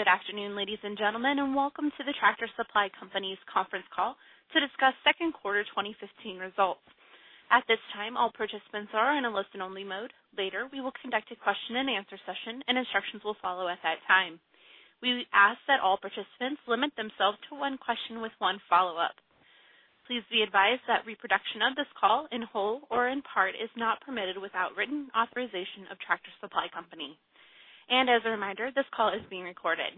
Good afternoon, ladies and gentlemen, welcome to the Tractor Supply Company's conference call to discuss second quarter 2015 results. At this time, all participants are in a listen-only mode. Later, we will conduct a question and answer session, and instructions will follow at that time. We ask that all participants limit themselves to one question with one follow-up. Please be advised that reproduction of this call in whole or in part is not permitted without written authorization of Tractor Supply Company. As a reminder, this call is being recorded.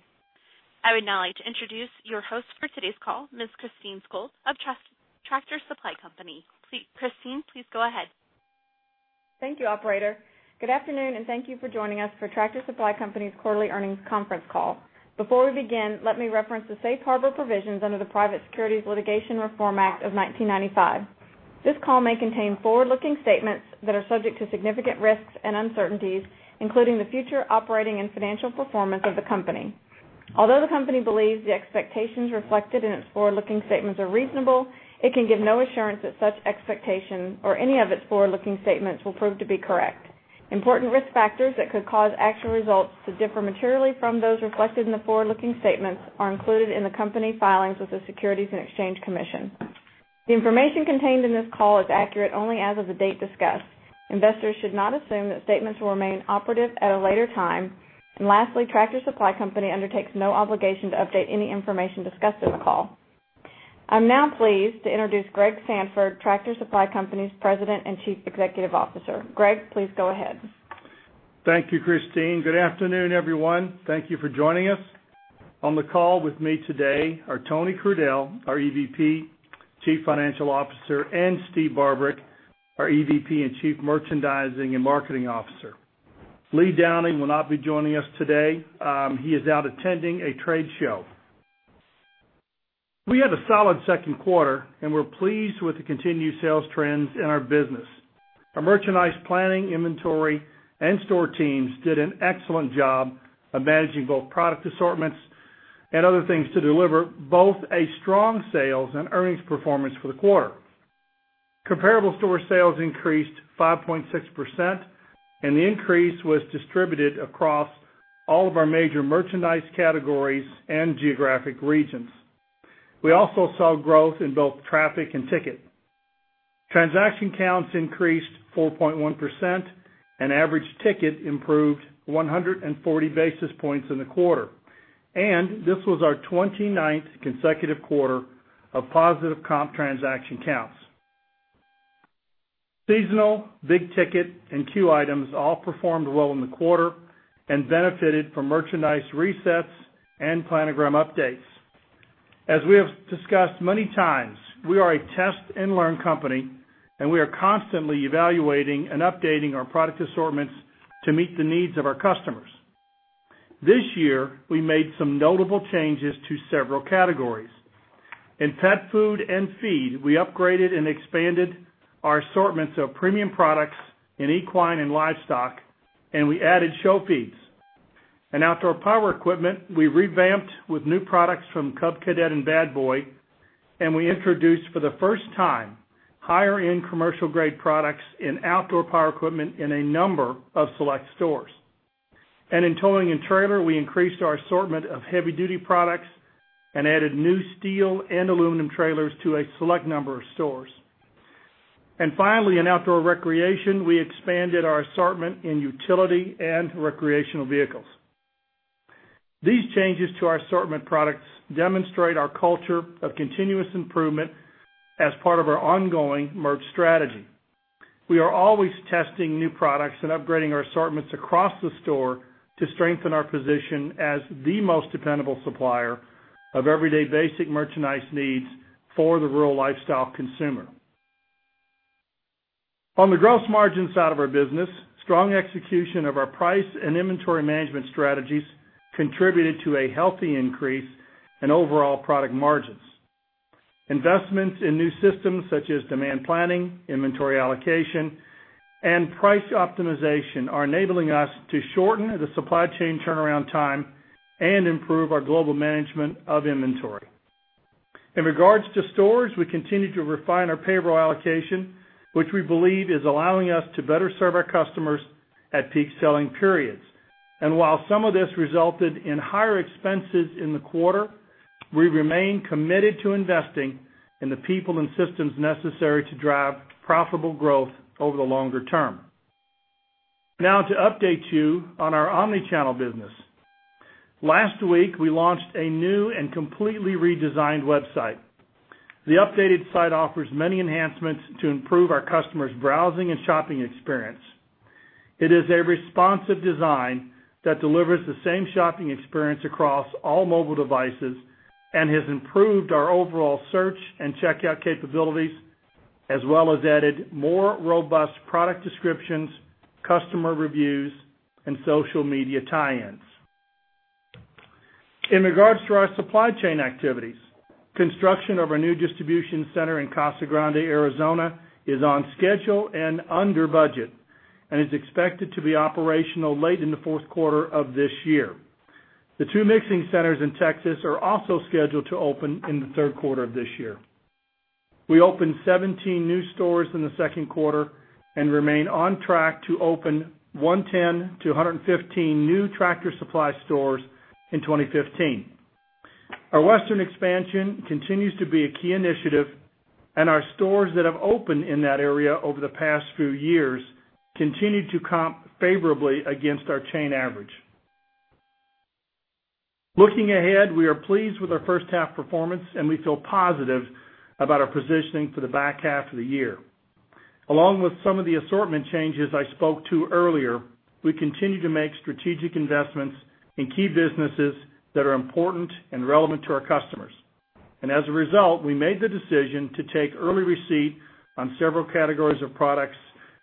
I would now like to introduce your host for today's call, Ms. Christine Skold of Tractor Supply Company. Christine, please go ahead. Thank you, operator. Good afternoon, thank you for joining us for Tractor Supply Company's quarterly earnings conference call. Before we begin, let me reference the safe harbor provisions under the Private Securities Litigation Reform Act of 1995. This call may contain forward-looking statements that are subject to significant risks and uncertainties, including the future operating and financial performance of the company. Although the company believes the expectations reflected in its forward-looking statements are reasonable, it can give no assurance that such expectations or any of its forward-looking statements will prove to be correct. Important risk factors that could cause actual results to differ materially from those reflected in the forward-looking statements are included in the company filings with the Securities and Exchange Commission. The information contained in this call is accurate only as of the date discussed. Investors should not assume that statements will remain operative at a later time. Lastly, Tractor Supply Company undertakes no obligation to update any information discussed in the call. I'm now pleased to introduce Greg Sandfort, Tractor Supply Company's President and Chief Executive Officer. Greg, please go ahead. Thank you, Christine. Good afternoon, everyone. Thank you for joining us. On the call with me today are Tony Crudele, our EVP, Chief Financial Officer, and Steve Barbarick, our EVP and Chief Merchandising and Marketing Officer. Lee Downing will not be joining us today. He is out attending a trade show. We had a solid second quarter, we're pleased with the continued sales trends in our business. Our merchandise planning, inventory, and store teams did an excellent job of managing both product assortments and other things to deliver both a strong sales and earnings performance for the quarter. Comparable store sales increased 5.6%. The increase was distributed across all of our major merchandise categories and geographic regions. We also saw growth in both traffic and ticket. Transaction counts increased 4.1%, average ticket improved 140 basis points in the quarter. This was our 29th consecutive quarter of positive comp transaction counts. Seasonal, big ticket, and queue items all performed well in the quarter and benefited from merchandise resets and planogram updates. As we have discussed many times, we are a test-and-learn company, and we are constantly evaluating and updating our product assortments to meet the needs of our customers. This year, we made some notable changes to several categories. In pet food and feed, we upgraded and expanded our assortments of premium products in equine and livestock, and we added show feeds. In outdoor power equipment, we revamped with new products from Cub Cadet and Bad Boy, and we introduced for the first time higher-end commercial-grade products in outdoor power equipment in a number of select stores. In towing and trailer, we increased our assortment of heavy-duty products and added new steel and aluminum trailers to a select number of stores. Finally, in outdoor recreation, we expanded our assortment in utility and recreational vehicles. These changes to our assortment products demonstrate our culture of continuous improvement as part of our ongoing merch strategy. We are always testing new products and upgrading our assortments across the store to strengthen our position as the most dependable supplier of everyday basic merchandise needs for the rural lifestyle consumer. On the gross margin side of our business, strong execution of our price and inventory management strategies contributed to a healthy increase in overall product margins. Investments in new systems such as demand planning, inventory allocation, and price optimization are enabling us to shorten the supply chain turnaround time and improve our global management of inventory. In regards to stores, we continue to refine our payroll allocation, which we believe is allowing us to better serve our customers at peak selling periods. While some of this resulted in higher expenses in the quarter, we remain committed to investing in the people and systems necessary to drive profitable growth over the longer term. Now to update you on our omni-channel business. Last week, we launched a new and completely redesigned website. The updated site offers many enhancements to improve our customers' browsing and shopping experience. It is a responsive design that delivers the same shopping experience across all mobile devices and has improved our overall search and checkout capabilities, as well as added more robust product descriptions, customer reviews, and social media tie-ins. In regards to our supply chain activities, construction of our new distribution center in Casa Grande, Arizona, is on schedule and under budget and is expected to be operational late in the fourth quarter of this year. The two mixing centers in Texas are also scheduled to open in the third quarter of this year. We opened 17 new stores in the second quarter and remain on track to open 110-115 new Tractor Supply stores in 2015. Our Western expansion continues to be a key initiative, and our stores that have opened in that area over the past few years continue to comp favorably against our chain average. Looking ahead, we are pleased with our first half performance, and we feel positive about our positioning for the back half of the year. Along with some of the assortment changes I spoke to earlier, we continue to make strategic investments in key businesses that are important and relevant to our customers. As a result, we made the decision to take early receipt on several categories of products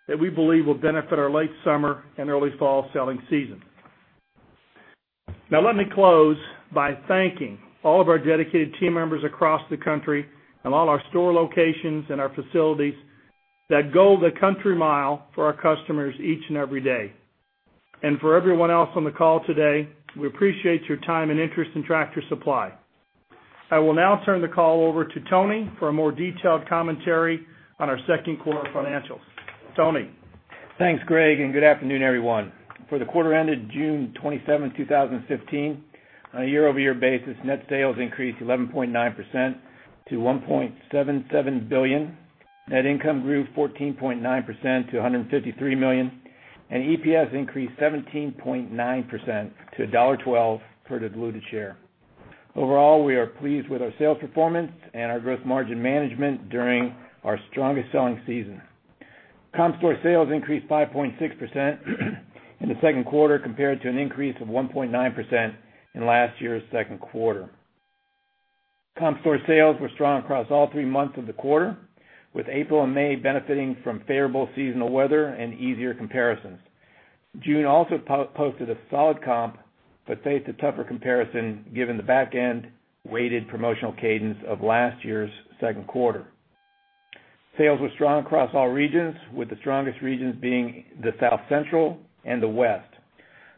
that we believe will benefit our late summer and early fall selling season. Let me close by thanking all of our dedicated team members across the country and all our store locations and our facilities that go the country mile for our customers each and every day. For everyone else on the call today, we appreciate your time and interest in Tractor Supply. I will now turn the call over to Tony for a more detailed commentary on our second quarter financials. Tony? Thanks, Greg, and good afternoon, everyone. For the quarter ended June 27, 2015, on a year-over-year basis, net sales increased 11.9% to $1.77 billion. Net income grew 14.9% to $153 million, EPS increased 17.9% to $1.12 per diluted share. Overall, we are pleased with our sales performance and our gross margin management during our strongest selling season. Comp store sales increased 5.6% in the second quarter compared to an increase of 1.9% in last year's second quarter. Comp store sales were strong across all three months of the quarter, with April and May benefiting from favorable seasonal weather and easier comparisons. June also posted a solid comp, faced a tougher comparison, given the back-end weighted promotional cadence of last year's second quarter. Sales were strong across all regions, with the strongest regions being the South Central and the West.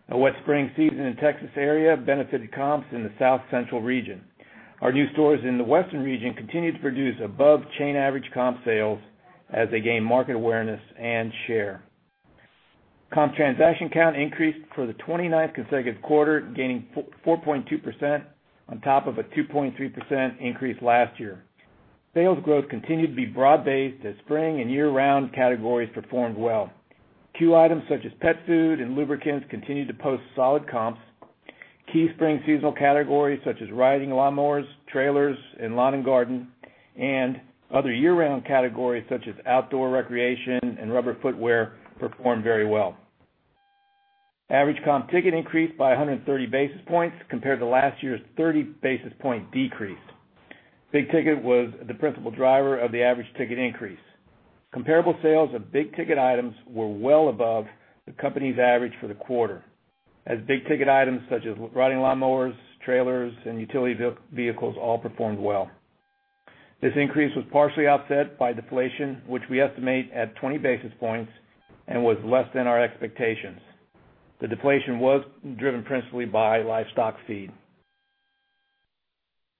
A wet spring season in Texas area benefited comps in the South Central region. Our new stores in the Western region continued to produce above-chain average comp sales as they gain market awareness and share. Comp transaction count increased for the 29th consecutive quarter, gaining 4.2% on top of a 2.3% increase last year. Sales growth continued to be broad-based as spring and year-round categories performed well. Key items such as pet food and lubricants continued to post solid comps. Key spring seasonal categories such as riding lawnmowers, trailers, and lawn and garden, other year-round categories such as outdoor recreation and rubber footwear performed very well. Average comp ticket increased by 130 basis points compared to last year's 30 basis point decrease. Big-ticket was the principal driver of the average ticket increase. Comparable sales of big-ticket items were well above the company's average for the quarter, as big-ticket items such as riding lawnmowers, trailers, and utility vehicles all performed well. This increase was partially offset by deflation, which we estimate at 20 basis points was less than our expectations. The deflation was driven principally by livestock feed.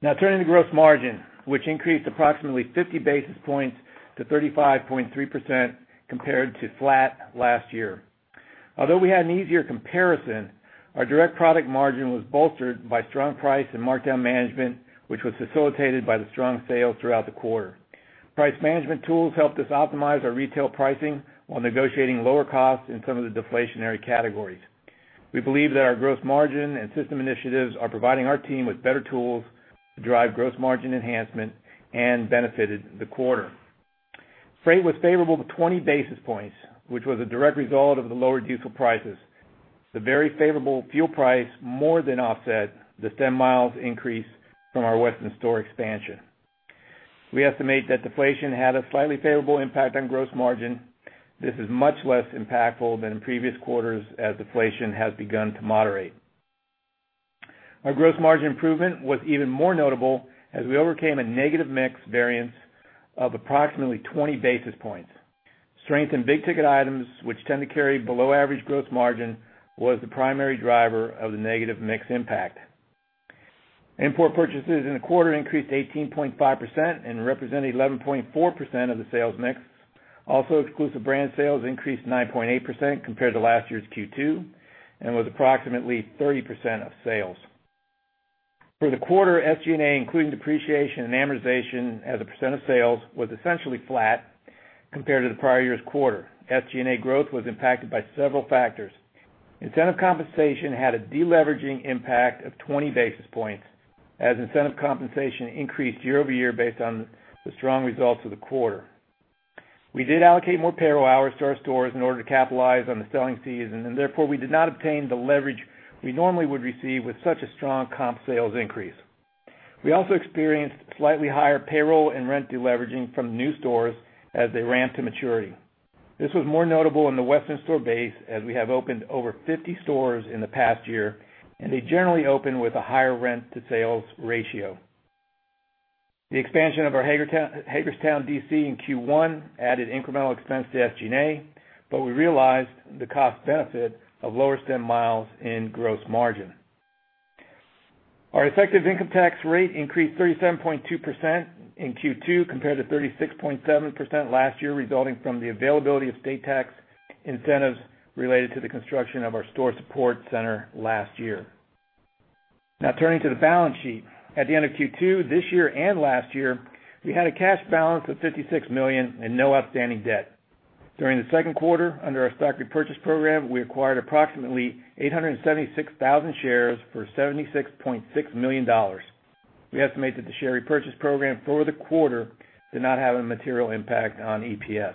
Turning to gross margin, which increased approximately 50 basis points to 35.3% compared to flat last year. Although we had an easier comparison, our direct product margin was bolstered by strong price and markdown management, which was facilitated by the strong sales throughout the quarter. Price management tools helped us optimize our retail pricing while negotiating lower costs in some of the deflationary categories. We believe that our gross margin and system initiatives are providing our team with better tools to drive gross margin enhancement and benefited the quarter. Freight was favorable to 20 basis points, which was a direct result of the lower diesel prices. The very favorable fuel price more than offset the stem miles increase from our Western store expansion. We estimate that deflation had a slightly favorable impact on gross margin. This is much less impactful than in previous quarters as deflation has begun to moderate. Our gross margin improvement was even more notable as we overcame a negative mix variance of approximately 20 basis points. Strength in big-ticket items, which tend to carry below average gross margin, was the primary driver of the negative mix impact. Import purchases in the quarter increased 18.5% and represented 11.4% of the sales mix. Also, exclusive brand sales increased 9.8% compared to last year's Q2 and was approximately 30% of sales. For the quarter, SG&A, including depreciation and amortization as a percent of sales, was essentially flat compared to the prior year's quarter. SG&A growth was impacted by several factors. Incentive compensation had a deleveraging impact of 20 basis points as incentive compensation increased year-over-year based on the strong results of the quarter. We did allocate more payroll hours to our stores in order to capitalize on the selling season, we did not obtain the leverage we normally would receive with such a strong comp sales increase. We also experienced slightly higher payroll and rent deleveraging from new stores as they ramp to maturity. This was more notable in the Western store base as we have opened over 50 stores in the past year, and they generally open with a higher rent-to-sales ratio. The expansion of our Hagerstown DC in Q1 added incremental expense to SG&A, we realized the cost benefit of lower stem miles in gross margin. Our effective income tax rate increased 37.2% in Q2 compared to 36.7% last year, resulting from the availability of state tax incentives related to the construction of our store support center last year. Now turning to the balance sheet. At the end of Q2 this year and last year, we had a cash balance of $56 million and no outstanding debt. During the second quarter, under our stock repurchase program, we acquired approximately 876,000 shares for $76.6 million. We estimate that the share repurchase program for the quarter did not have a material impact on EPS.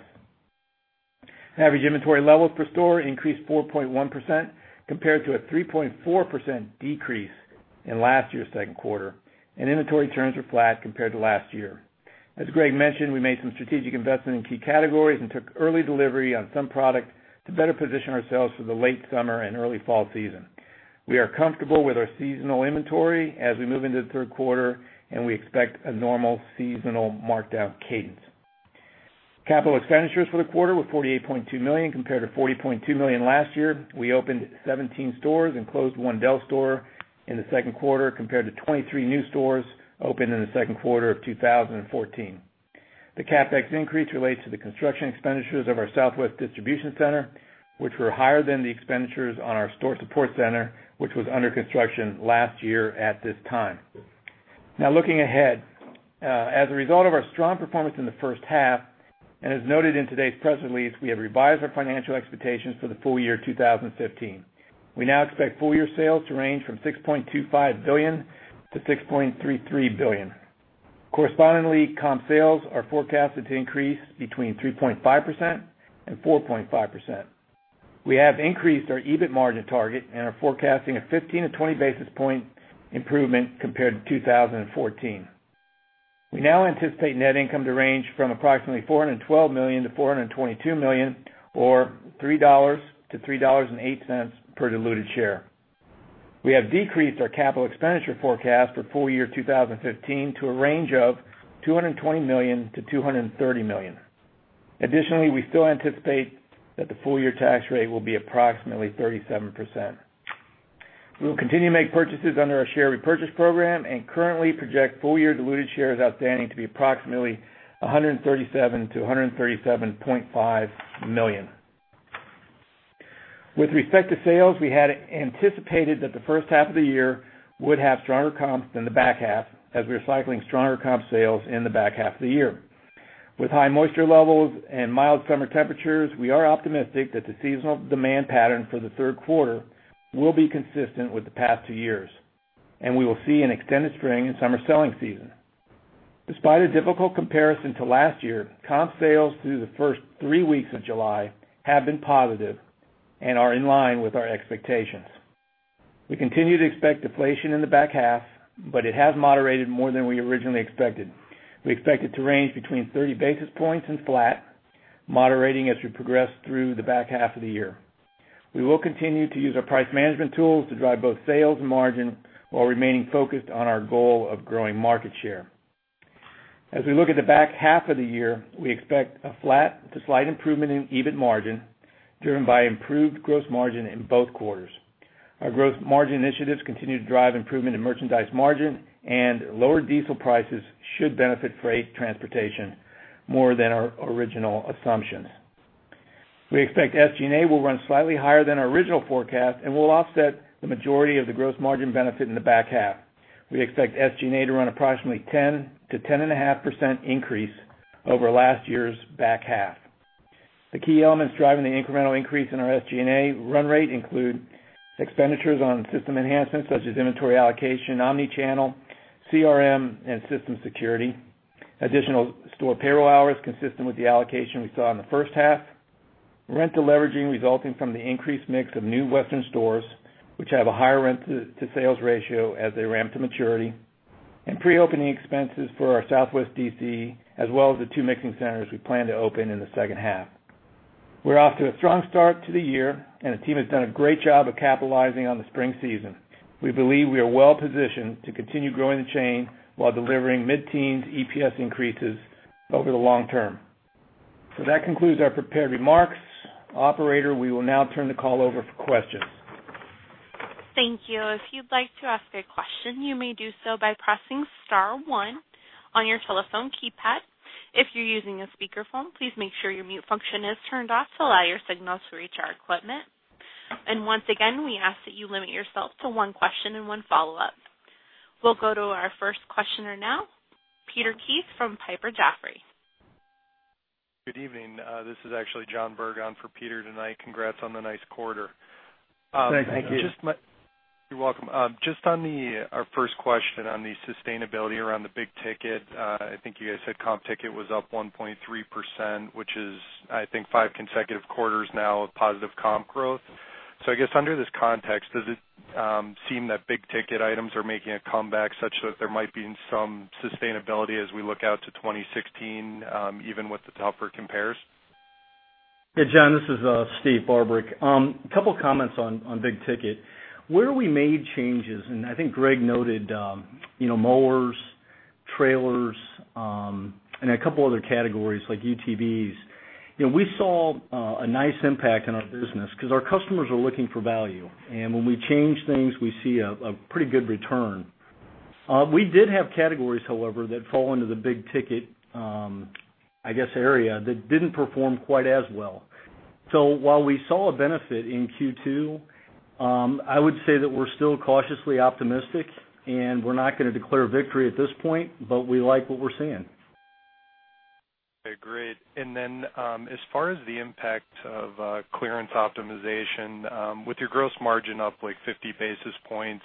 Average inventory levels per store increased 4.1%, compared to a 3.4% decrease in last year's second quarter, and inventory turns were flat compared to last year. As Greg mentioned, we made some strategic investments in key categories and took early delivery on some products to better position ourselves for the late summer and early fall season. We are comfortable with our seasonal inventory as we move into the third quarter, we expect a normal seasonal markdown cadence. Capital expenditures for the quarter were $48.2 million compared to $40.2 million last year. We opened 17 stores and closed one Del's store in the second quarter, compared to 23 new stores opened in the second quarter of 2014. The CapEx increase relates to the construction expenditures of our Southwest distribution center, which were higher than the expenditures on our store support center, which was under construction last year at this time. Now looking ahead. As a result of our strong performance in the first half, and as noted in today's press release, we have revised our financial expectations for the full year 2015. We now expect full year sales to range from $6.25 billion-$6.33 billion. Correspondingly, comp sales are forecasted to increase between 3.5% and 4.5%. We have increased our EBIT margin target and are forecasting a 15- to 20-basis-point improvement compared to 2014. We now anticipate net income to range from approximately $412 million-$422 million, or $3-$3.08 per diluted share. We have decreased our capital expenditure forecast for full year 2015 to a range of $220 million-$230 million. Additionally, we still anticipate that the full-year tax rate will be approximately 37%. We will continue to make purchases under our share repurchase program and currently project full-year diluted shares outstanding to be approximately 137-137.5 million. With respect to sales, we had anticipated that the first half of the year would have stronger comps than the back half as we were cycling stronger comp sales in the back half of the year. With high moisture levels and mild summer temperatures, we are optimistic that the seasonal demand pattern for the third quarter will be consistent with the past two years, and we will see an extended spring and summer selling season. Despite a difficult comparison to last year, comp sales through the first three weeks of July have been positive and are in line with our expectations. We continue to expect deflation in the back half, but it has moderated more than we originally expected. We expect it to range between 30 basis points and flat, moderating as we progress through the back half of the year. We will continue to use our price management tools to drive both sales and margin while remaining focused on our goal of growing market share. As we look at the back half of the year, we expect a flat to slight improvement in EBIT margin, driven by improved gross margin in both quarters. Our gross margin initiatives continue to drive improvement in merchandise margin, and lower diesel prices should benefit freight transportation more than our original assumptions. We expect SG&A will run slightly higher than our original forecast and will offset the majority of the gross margin benefit in the back half. We expect SG&A to run approximately 10%-10.5% increase over last year's back half. The key elements driving the incremental increase in our SG&A run rate include expenditures on system enhancements such as inventory allocation, omni-channel, CRM, and system security. Additional store payroll hours consistent with the allocation we saw in the first half. Rental leveraging resulting from the increased mix of new western stores, which have a higher rent-to-sales ratio as they ramp to maturity. Pre-opening expenses for our southwest DC as well as the two mixing centers we plan to open in the second half. We're off to a strong start to the year, and the team has done a great job of capitalizing on the spring season. We believe we are well-positioned to continue growing the chain while delivering mid-teens EPS increases over the long term. That concludes our prepared remarks. Operator, we will now turn the call over for questions. Thank you. If you'd like to ask a question, you may do so by pressing *1 on your telephone keypad. If you're using a speakerphone, please make sure your mute function is turned off to allow your signals to reach our equipment. Once again, we ask that you limit yourself to one question and one follow-up. We'll go to our first questioner now, Peter Keith from Piper Jaffray. Good evening. This is actually John Berg on for Peter tonight. Congrats on the nice quarter. Thank you. You're welcome. Just our first question on the sustainability around the big ticket. I think you guys said comp ticket was up 1.3%, which is, I think, five consecutive quarters now of positive comp growth. I guess under this context, does it seem that big-ticket items are making a comeback such that there might be some sustainability as we look out to 2016, even with the tougher compares? Yeah, John, this is Steve Barbarick. Couple comments on big ticket. Where we made changes, and I think Greg noted, mowers trailers, a couple other categories like UTVs. We saw a nice impact in our business because our customers are looking for value, when we change things, we see a pretty good return. We did have categories, however, that fall into the big ticket area that didn't perform quite as well. While we saw a benefit in Q2, I would say that we're still cautiously optimistic, we're not going to declare victory at this point, we like what we're seeing. Okay, great. Then, as far as the impact of clearance optimization, with your gross margin up like 50 basis points,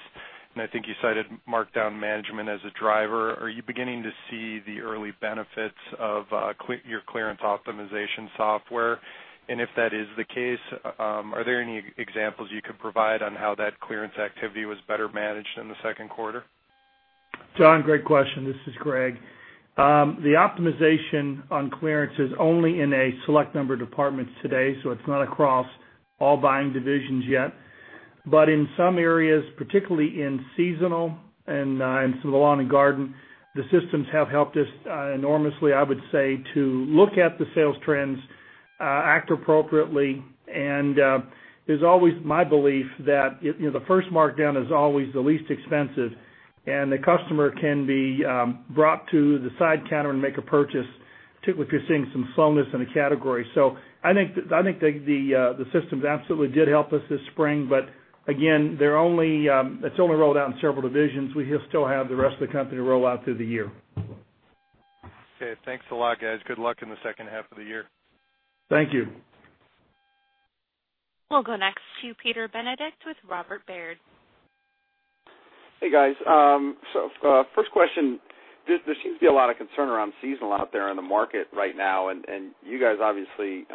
I think you cited markdown management as a driver, are you beginning to see the early benefits of your clearance optimization software? If that is the case, are there any examples you could provide on how that clearance activity was better managed in the second quarter? John, great question. This is Greg. The optimization on clearance is only in a select number of departments today, it's not across all buying divisions yet. In some areas, particularly in seasonal and into lawn and garden, the systems have helped us enormously, I would say, to look at the sales trends, act appropriately. It's always my belief that the first markdown is always the least expensive and the customer can be brought to the side counter and make a purchase, particularly if you're seeing some slowness in a category. I think the systems absolutely did help us this spring. Again, it's only rolled out in several divisions. We still have the rest of the company to roll out through the year. Okay. Thanks a lot, guys. Good luck in the second half of the year. Thank you. We'll go next to Peter Benedict with Robert W. Baird. Hey, guys. First question, there seems to be a lot of concern around seasonal out there in the market right now, you guys obviously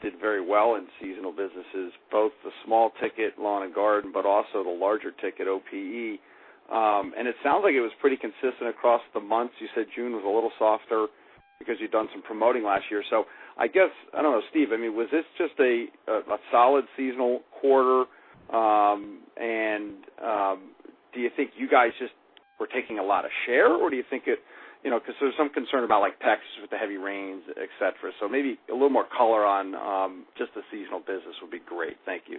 did very well in seasonal businesses, both the small ticket lawn and garden, but also the larger ticket OPE. It sounds like it was pretty consistent across the months. You said June was a little softer because you'd done some promoting last year. I guess, I don't know, Steve, was this just a solid seasonal quarter? Do you think you guys just were taking a lot of share, or do you think because there's some concern about Texas with the heavy rains, et cetera. Maybe a little more color on just the seasonal business would be great. Thank you.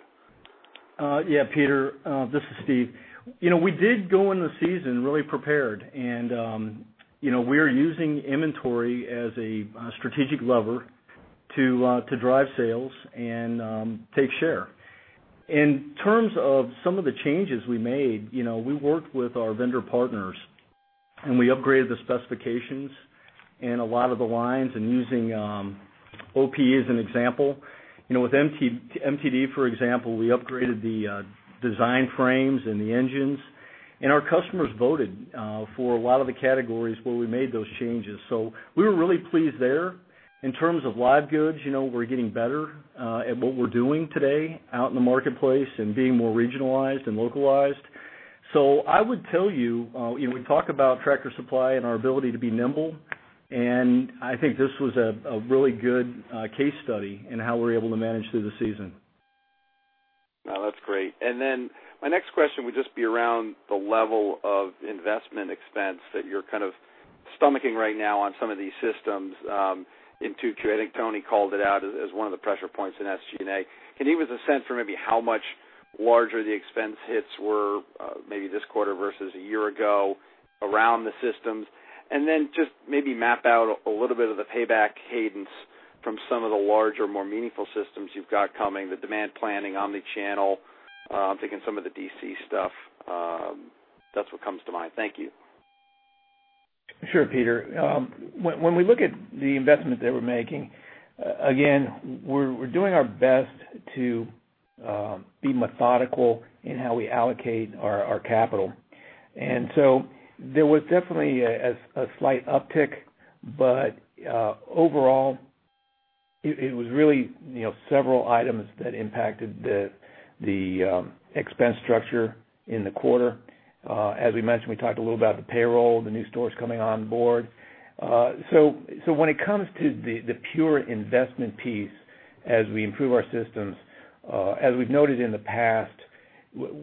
Yeah, Peter, this is Steve. We did go into the season really prepared and we are using inventory as a strategic lever to drive sales and take share. In terms of some of the changes we made, we worked with our vendor partners, and we upgraded the specifications in a lot of the lines and using OPE as an example. With MTD, for example, we upgraded the design frames and the engines, and our customers voted for a lot of the categories where we made those changes. We were really pleased there. In terms of live goods, we're getting better at what we're doing today out in the marketplace and being more regionalized and localized. I would tell you, we talk about Tractor Supply and our ability to be nimble, and I think this was a really good case study in how we were able to manage through the season. No, that's great. My next question would just be around the level of investment expense that you're kind of stomaching right now on some of these systems in 2Q. I think Tony called it out as one of the pressure points in SG&A. Can you give us a sense for maybe how much larger the expense hits were maybe this quarter versus a year ago around the systems? Just maybe map out a little bit of the payback cadence from some of the larger, more meaningful systems you've got coming, the demand planning, omni-channel. I'm thinking some of the DC stuff. That's what comes to mind. Thank you. Sure, Peter. When we look at the investment that we're making, again, we're doing our best to be methodical in how we allocate our capital. There was definitely a slight uptick, but overall, it was really several items that impacted the expense structure in the quarter. As we mentioned, we talked a little about the payroll, the new stores coming on board. When it comes to the pure investment piece as we improve our systems, as we've noted in the past,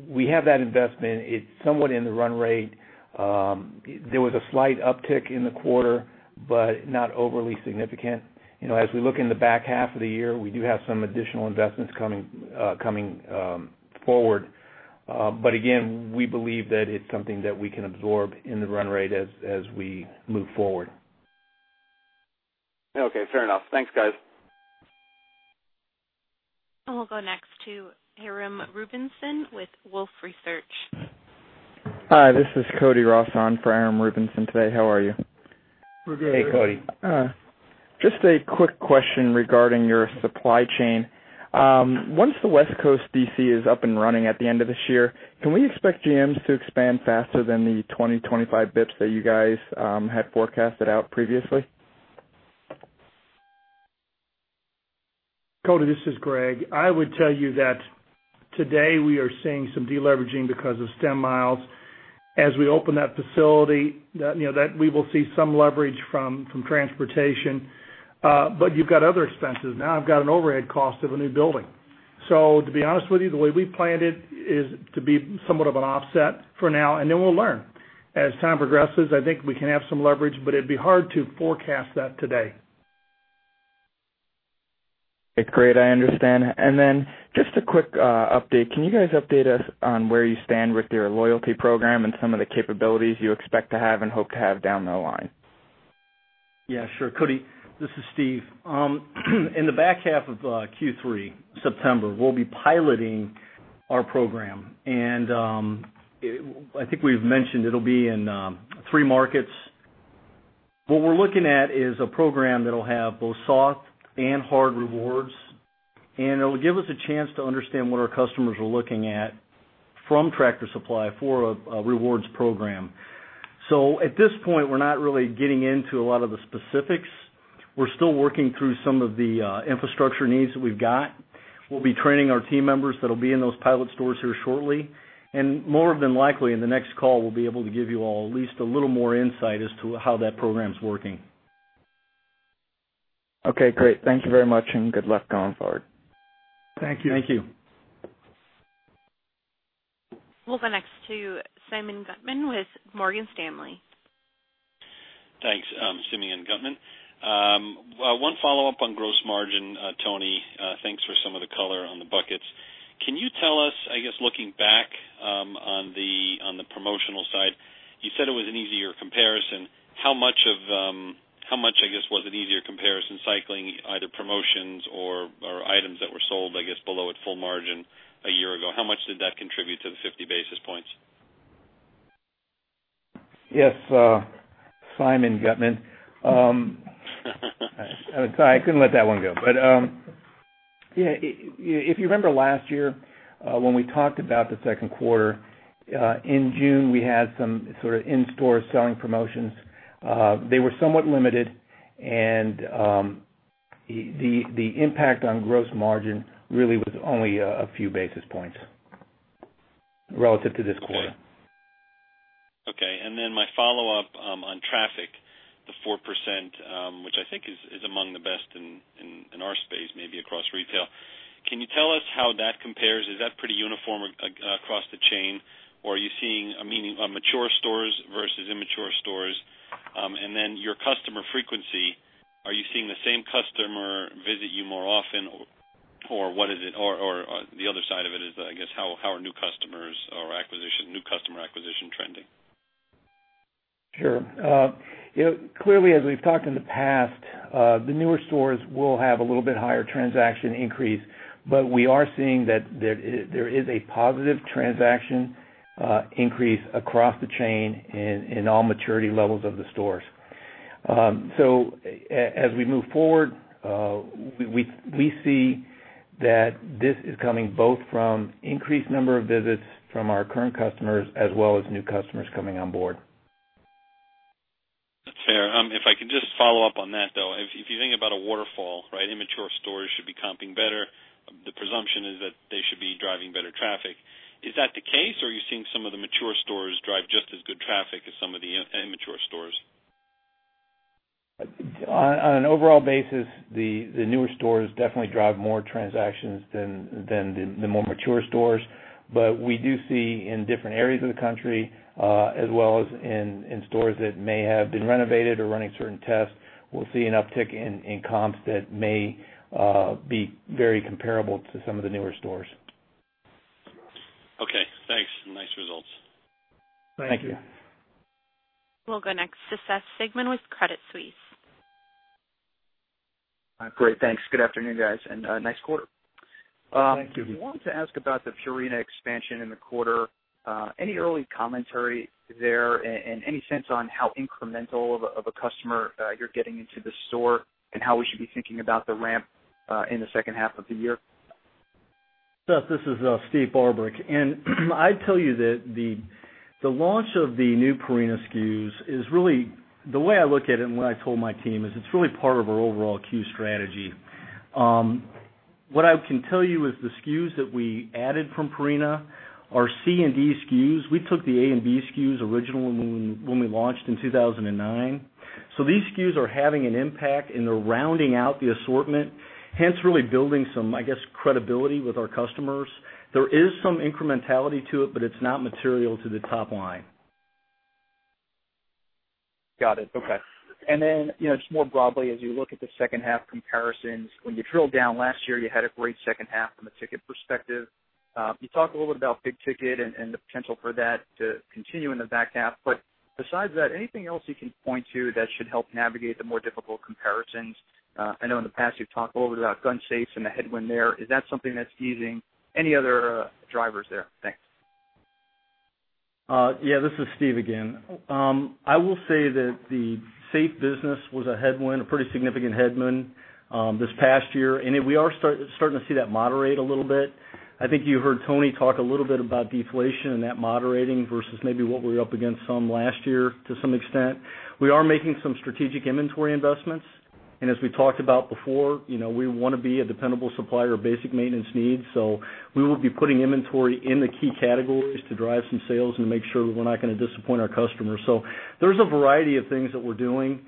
we have that investment. It's somewhat in the run rate. There was a slight uptick in the quarter, but not overly significant. As we look in the back half of the year, we do have some additional investments coming forward. Again, we believe that it's something that we can absorb in the run rate as we move forward. Okay, fair enough. Thanks, guys. We'll go next to Aram Rubinson with Wolfe Research. Hi, this is Cody Ross on for Aram Rubinson today. How are you? We're good. Hey, Cody. Just a quick question regarding your supply chain. Once the West Coast DC is up and running at the end of this year, can we expect GMs to expand faster than the 20, 25 basis points that you guys had forecasted out previously? Cody, this is Greg. I would tell you that today we are seeing some deleveraging because of stem miles. As we open that facility, we will see some leverage from transportation. You've got other expenses. I've got an overhead cost of a new building. To be honest with you, the way we planned it is to be somewhat of an offset for now, and then we'll learn. As time progresses, I think we can have some leverage, but it'd be hard to forecast that today. Just a quick update. Can you guys update us on where you stand with your loyalty program and some of the capabilities you expect to have and hope to have down the line? Sure, Cody. This is Steve. In the back half of Q3, September, we'll be piloting our program. I think we've mentioned it'll be in three markets. What we're looking at is a program that'll have both soft and hard rewards, and it'll give us a chance to understand what our customers are looking at from Tractor Supply for a rewards program. At this point, we're not really getting into a lot of the specifics. We're still working through some of the infrastructure needs that we've got. We'll be training our team members that'll be in those pilot stores here shortly, and more than likely, in the next call, we'll be able to give you all at least a little more insight as to how that program's working. Okay, great. Thank you very much, and good luck going forward. Thank you. Thank you. We'll go next to Simeon Gutman with Morgan Stanley. Thanks. Simeon Gutman. One follow-up on gross margin, Tony. Thanks for some of the color on the buckets. Can you tell us, I guess, looking back, on the promotional side, you said it was an easier comparison. How much, I guess, was an easier comparison cycling either promotions or items that were sold, I guess, below at full margin a year ago? How much did that contribute to the 50 basis points? Yes, Simeon Gutman. Sorry, I couldn't let that one go. Yeah, if you remember last year, when we talked about the second quarter, in June, we had some sort of in-store selling promotions. They were somewhat limited and, the impact on gross margin really was only a few basis points relative to this quarter. My follow-up on traffic, the 4%, which I think is among the best in our space, maybe across retail. Can you tell us how that compares? Is that pretty uniform across the chain, or are you seeing, I mean, mature stores versus immature stores? Then your customer frequency, are you seeing the same customer visit you more often, or what is it? Or the other side of it is, I guess, how are new customers or acquisition, new customer acquisition trending? Sure. Clearly, as we've talked in the past, the newer stores will have a little bit higher transaction increase, we are seeing that there is a positive transaction increase across the chain in all maturity levels of the stores. As we move forward, we see that this is coming both from increased number of visits from our current customers as well as new customers coming on board. That's fair. If I could just follow up on that, though. If you think about a waterfall, right, immature stores should be comping better. The presumption is that they should be driving better traffic. Is that the case, or are you seeing some of the mature stores drive just as good traffic as some of the immature stores? On an overall basis, the newer stores definitely drive more transactions than the more mature stores. We do see in different areas of the country, as well as in stores that may have been renovated or running certain tests, we'll see an uptick in comps that may be very comparable to some of the newer stores. Okay, thanks. Nice results. Thank you. Thank you. We'll go next to Seth Sigman with Credit Suisse. Great. Thanks. Good afternoon, guys. Nice quarter. Thank you. I wanted to ask about the Purina expansion in the quarter. Any early commentary there and any sense on how incremental of a customer you're getting into the store and how we should be thinking about the ramp in the second half of the year? Seth, this is Steve Barbarick. I'd tell you that the launch of the new Purina SKUs is really, the way I look at it and what I told my team is it's really part of our overall SKU strategy. What I can tell you is the SKUs that we added from Purina are C and D SKUs. We took the A and B SKUs original when we launched in 2009. These SKUs are having an impact, and they're rounding out the assortment, hence really building some, I guess, credibility with our customers. There is some incrementality to it, but it's not material to the top line. Got it. Just more broadly, as you look at the second half comparisons, when you drill down last year, you had a great second half from a ticket perspective. You talked a little bit about big ticket and the potential for that to continue in the back half. Besides that, anything else you can point to that should help navigate the more difficult comparisons? I know in the past you've talked a little bit about gun safes and the headwind there. Is that something that's easing? Any other drivers there? Thanks. This is Steve again. I will say that the safe business was a headwind, a pretty significant headwind, this past year. We are starting to see that moderate a little bit. I think you heard Tony talk a little bit about deflation that moderating versus maybe what we were up against some last year to some extent. We are making some strategic inventory investments. As we talked about before, we want to be a dependable supplier of basic maintenance needs. We will be putting inventory in the key categories to drive some sales to make sure that we're not going to disappoint our customers. There's a variety of things that we're doing.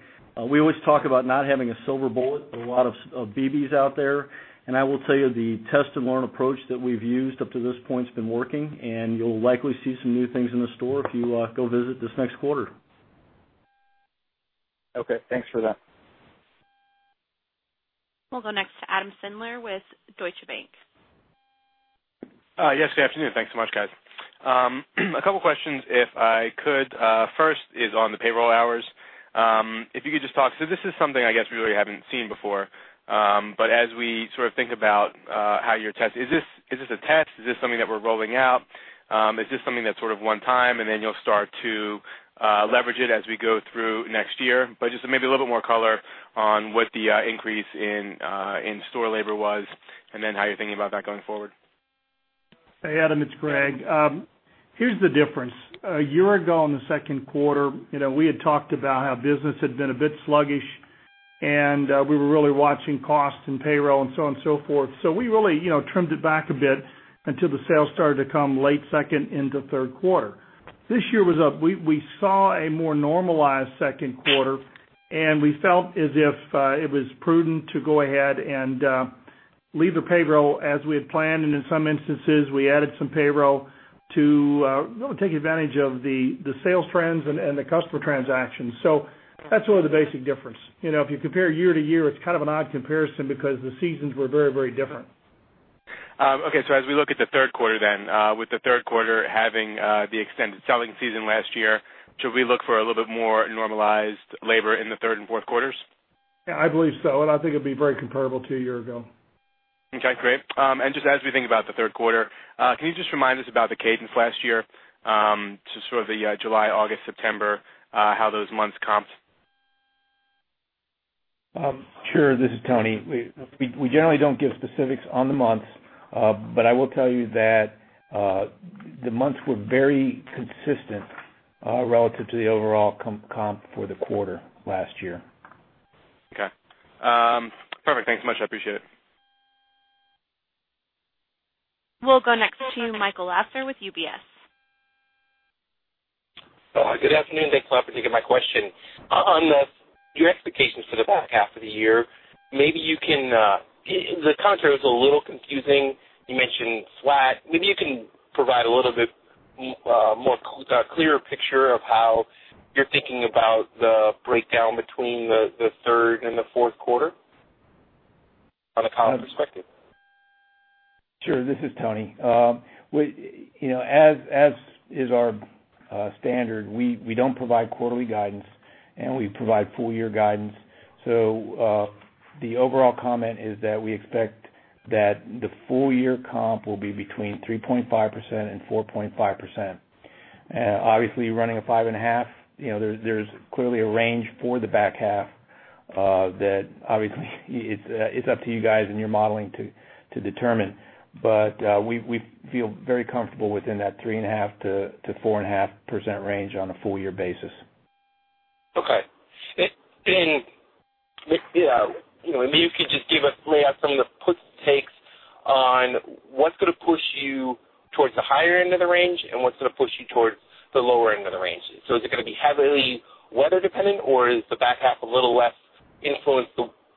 We always talk about not having a silver bullet, but a lot of BBs out there. I will tell you, the test and learn approach that we've used up to this point has been working, you'll likely see some new things in the store if you go visit this next quarter. Thanks for that. We'll go next to Adam Schindler with Deutsche Bank. Yes, good afternoon. Thanks so much, guys. A couple questions, if I could. First is on the payroll hours. If you could just talk, this is something I guess we really haven't seen before. As we think about how you test, is this a test? Is this something that we're rolling out? Is this something that's one time, then you'll start to leverage it as we go through next year? Just maybe a little bit more color on what the increase in store labor was and then how you're thinking about that going forward. Hey, Adam, it's Greg. Here's the difference. A year ago in the second quarter, we had talked about how business had been a bit sluggish, and we were really watching costs and payroll and so on and so forth. We really trimmed it back a bit until the sales started to come late second into third quarter. This year was up. We saw a more normalized second quarter, we felt as if it was prudent to go ahead and leave the payroll as we had planned, in some instances, we added some payroll to really take advantage of the sales trends and the customer transactions. That's really the basic difference. If you compare year to year, it's kind of an odd comparison because the seasons were very different. Okay. As we look at the third quarter then, with the third quarter having the extended selling season last year, should we look for a little bit more normalized labor in the third and fourth quarters? Yeah, I believe so. I think it'll be very comparable to a year ago. Okay, great. Just as we think about the third quarter, can you just remind us about the cadence last year to sort of the July, August, September, how those months comped? Sure. This is Tony. We generally don't give specifics on the months. I will tell you that the months were very consistent relative to the overall comp for the quarter last year. Okay. Perfect. Thanks so much. I appreciate it. We'll go next to Michael Lasser with UBS. Good afternoon. Thanks a lot for taking my question. On your expectations for the back half of the year, the commentary was a little confusing. You mentioned flat. Maybe you can provide a little bit more clearer picture of how you're thinking about the breakdown between the third and the fourth quarter on a comp perspective. Sure. This is Tony. As is our standard, we don't provide quarterly guidance, we provide full-year guidance. The overall comment is that we expect that the full-year comp will be between 3.5% and 4.5%. Obviously, running a 5.5%, there's clearly a range for the back half that obviously it's up to you guys and your modeling to determine. We feel very comfortable within that 3.5% to 4.5% range on a full-year basis. Okay. Maybe you could just lay out some of the puts and takes on what's going to push you towards the higher end of the range and what's going to push you towards the lower end of the range. Is it going to be heavily weather dependent, or is the back half a little less influenced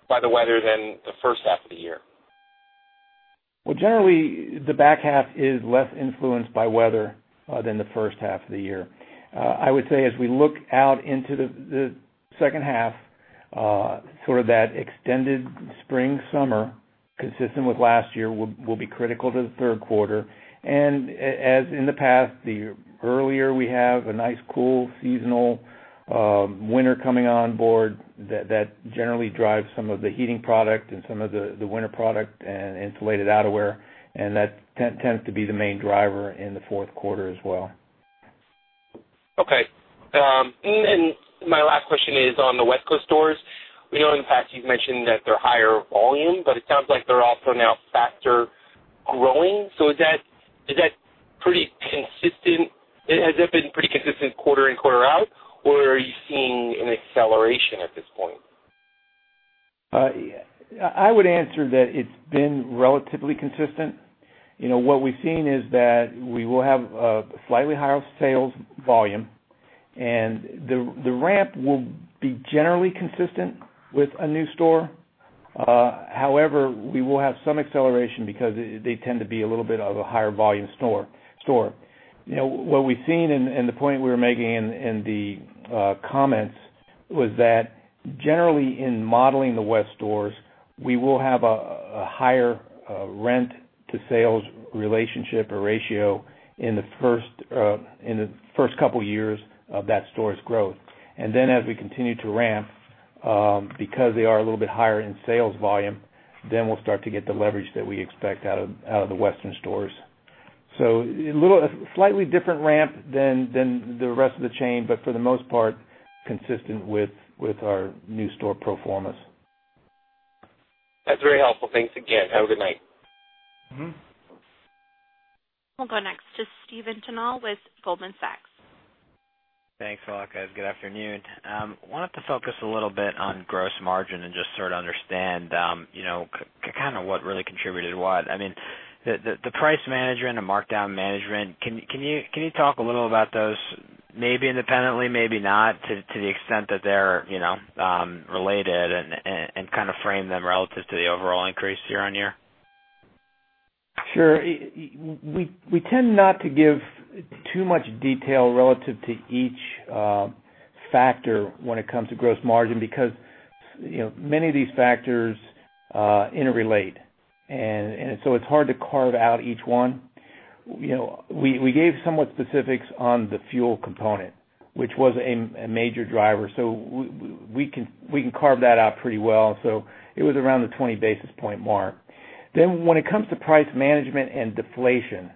by the weather than the first half of the year? Well, generally, the back half is less influenced by weather than the first half of the year. I would say as we look out into the second half, sort of that extended spring, summer consistent with last year will be critical to the third quarter. As in the past, the earlier we have a nice, cool seasonal winter coming on board, that generally drives some of the heating product and some of the winter product and insulated outerwear, and that tends to be the main driver in the fourth quarter as well. Okay. My last question is on the West Coast stores. We know in the past you've mentioned that they're higher volume, but it sounds like they're also now faster growing. Has that been pretty consistent quarter in, quarter out, or are you seeing an acceleration at this point? I would answer that it's been relatively consistent. What we've seen is that we will have a slightly higher sales volume, the ramp will be generally consistent with a new store. However, we will have some acceleration because they tend to be a little bit of a higher volume store. What we've seen and the point we were making in the comments was that generally in modeling the West stores, we will have a higher rent to sales relationship or ratio in the first couple years of that store's growth. Then as we continue to ramp, because they are a little bit higher in sales volume, then we'll start to get the leverage that we expect out of the Western stores. Slightly different ramp than the rest of the chain, but for the most part, consistent with our new store pro formas. That's very helpful. Thanks again. Have a good night. We'll go next to Stephen Tanal with Goldman Sachs. Thanks, guys. Good afternoon. I wanted to focus a little bit on gross margin and just sort of understand what really contributed what. The price management and markdown management, can you talk a little about those maybe independently, maybe not, to the extent that they're related and frame them relative to the overall increase year-over-year? Sure. We tend not to give too much detail relative to each factor when it comes to gross margin because many of these factors interrelate, and so it's hard to carve out each one. We gave somewhat specifics on the fuel component, which was a major driver. We can carve that out pretty well. It was around the 20 basis point mark. When it comes to price management and deflation,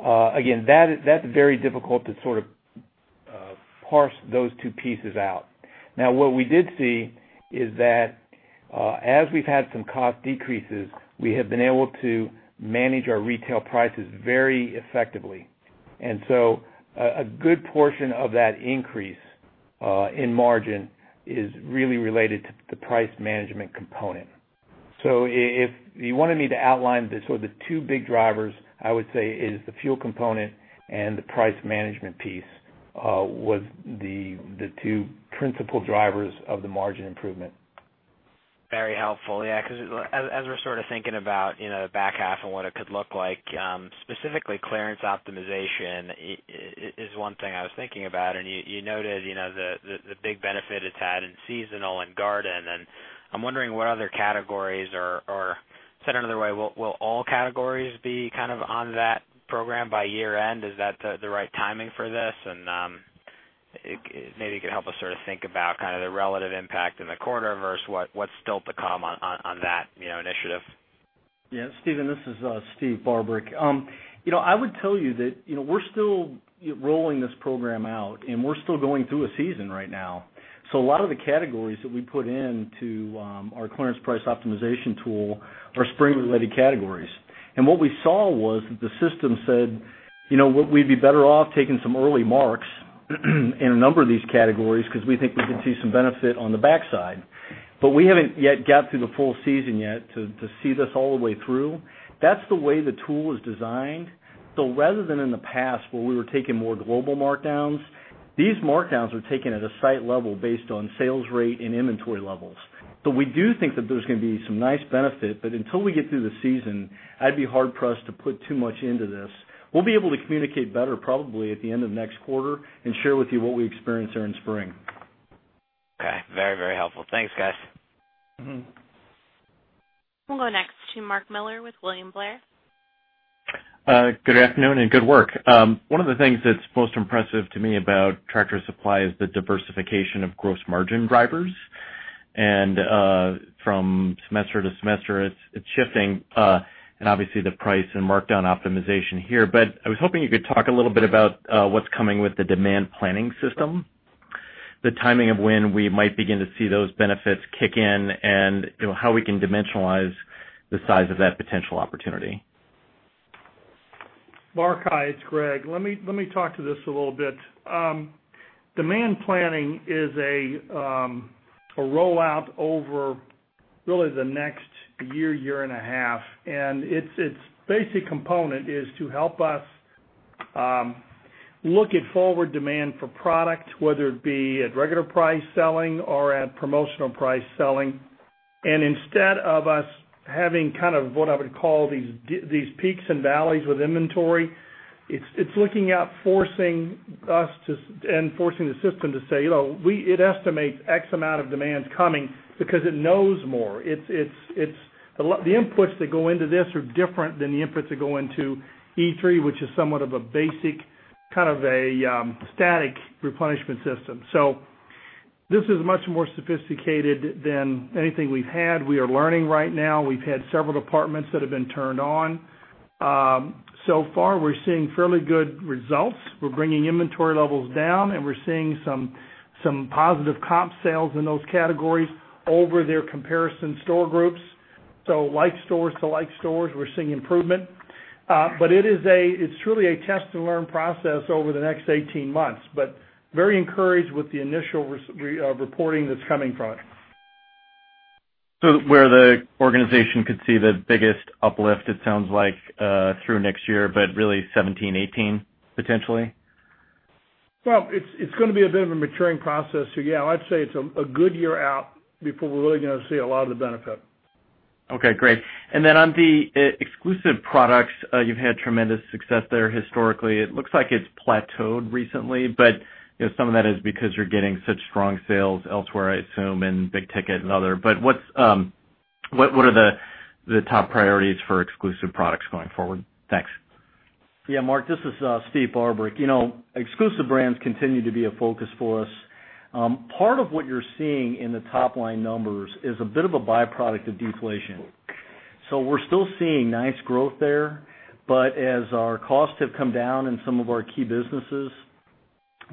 again, that's very difficult to sort of parse those two pieces out. Now, what we did see is that as we've had some cost decreases, we have been able to manage our retail prices very effectively. A good portion of that increase in margin is really related to the price management component. If you wanted me to outline the two big drivers, I would say is the fuel component and the price management piece was the two principal drivers of the margin improvement. Very helpful. Because as we're sort of thinking about the back half and what it could look like, specifically clearance optimization is one thing I was thinking about, and you noted the big benefit it's had in seasonal and garden. I'm wondering what other categories are-- or said another way, will all categories be on that program by year-end? Is that the right timing for this? Maybe you could help us think about the relative impact in the quarter versus what's still to come on that initiative. Steven, this is Steve Barbarick. I would tell you that we're still rolling this program out. We're still going through a season right now. A lot of the categories that we put into our clearance price optimization tool are spring-related categories. What we saw was that the system said we'd be better off taking some early marks in a number of these categories because we think we could see some benefit on the backside. We haven't yet got through the full season yet to see this all the way through. That's the way the tool is designed. Rather than in the past where we were taking more global markdowns, these markdowns are taken at a site level based on sales rate and inventory levels. We do think that there's going to be some nice benefit, until we get through the season, I'd be hard-pressed to put too much into this. We'll be able to communicate better probably at the end of next quarter and share with you what we experience during spring. Very, very helpful. Thanks, guys. We'll go next to Mark Miller with William Blair. Good afternoon and good work. One of the things that's most impressive to me about Tractor Supply is the diversification of gross margin drivers. From semester to semester, it's shifting, and obviously the price and markdown optimization here. I was hoping you could talk a little bit about what's coming with the demand planning system, the timing of when we might begin to see those benefits kick in, and how we can dimensionalize the size of that potential opportunity. Mark, hi. It's Greg. Let me talk to this a little bit. Demand planning is a rollout over really the next year and a half, and its basic component is to help us look at forward demand for product, whether it be at regular price selling or at promotional price selling. Instead of us having what I would call these peaks and valleys with inventory, it's looking at forcing us and forcing the system to say, it estimates X amount of demand coming because it knows more. The inputs that go into this are different than the inputs that go into E3, which is somewhat of a basic, kind of a static replenishment system. This is much more sophisticated than anything we've had. We are learning right now. We've had several departments that have been turned on. So far we're seeing fairly good results. We're bringing inventory levels down and we're seeing some positive comp sales in those categories over their comparison store groups. Like stores to like stores, we're seeing improvement. It's truly a test to learn process over the next 18 months, but very encouraged with the initial reporting that's coming from. Where the organization could see the biggest uplift, it sounds like through next year, but really 2017, 2018 potentially? Well, it's going to be a bit of a maturing process. Yeah, I'd say it's a good year out before we're really going to see a lot of the benefit. Okay, great. Then on the exclusive products, you've had tremendous success there historically. It looks like it's plateaued recently. Some of that is because you're getting such strong sales elsewhere, I assume, in big ticket and other. What are the top priorities for exclusive products going forward? Thanks. Yeah, Mark, this is Steve Barbarick. Exclusive brands continue to be a focus for us. Part of what you're seeing in the top-line numbers is a bit of a byproduct of deflation. We're still seeing nice growth there, but as our costs have come down in some of our key businesses,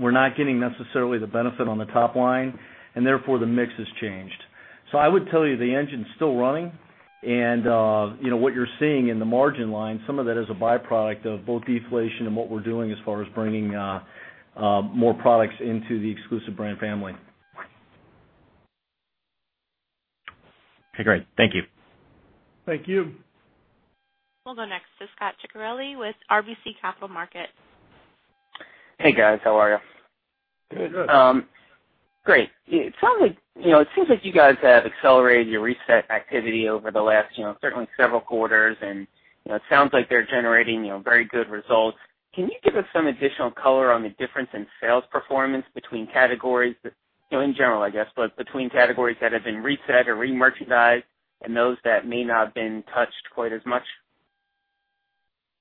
we're not getting necessarily the benefit on the top line, and therefore the mix has changed. I would tell you the engine's still running, and what you're seeing in the margin line, some of that is a byproduct of both deflation and what we're doing as far as bringing more products into the exclusive brand family. Okay, great. Thank you. Thank you. We'll go next to Scot Ciccarelli with RBC Capital Markets. Hey, guys. How are you? Good. Great. It seems like you guys have accelerated your reset activity over the last, certainly several quarters, and it sounds like they're generating very good results. Can you give us some additional color on the difference in sales performance between categories, in general I guess, but between categories that have been reset or remerchandised and those that may not been touched quite as much?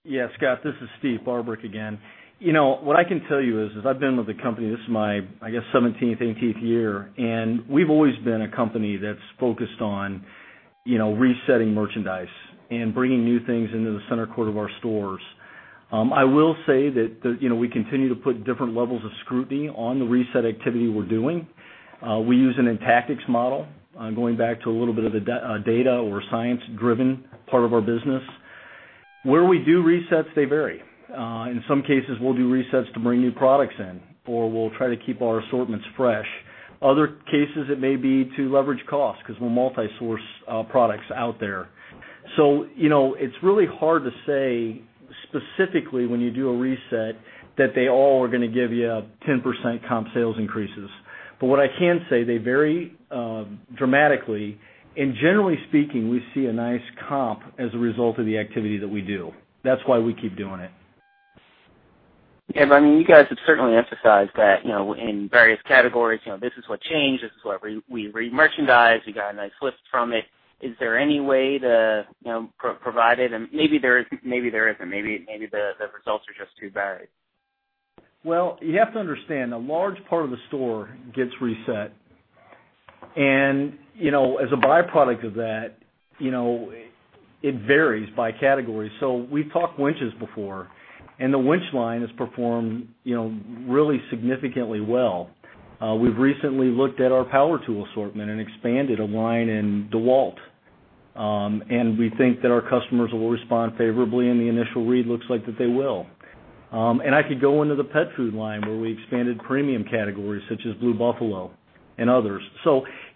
Yeah, Scot, this is Steve Barbarick again. What I can tell you is I've been with the company, this is my, I guess, 17th, 18th year, and we've always been a company that's focused on resetting merchandise and bringing new things into the center core of our stores. I will say that we continue to put different levels of scrutiny on the reset activity we're doing. We use an Intactix model, going back to a little bit of the data or science-driven part of our business. Where we do resets, they vary. In some cases, we'll do resets to bring new products in, or we'll try to keep our assortments fresh. Other cases, it may be to leverage cost because we multi-source products out there. It's really hard to say specifically when you do a reset that they all are going to give you 10% comp sales increases. What I can say, they vary dramatically, and generally speaking, we see a nice comp as a result of the activity that we do. That's why we keep doing it. Yeah, I mean, you guys have certainly emphasized that in various categories, this is what changed, this is what we remerchandised, we got a nice lift from it. Is there any way to provide it, maybe there isn't, maybe the results are just too varied. Well, you have to understand, a large part of the store gets reset. As a byproduct of that, it varies by category. We've talked winches before, and the winch line has performed really significantly well. We've recently looked at our power tool assortment and expanded a line in DeWalt. We think that our customers will respond favorably, and the initial read looks like that they will. I could go into the pet food line where we expanded premium categories such as Blue Buffalo and others.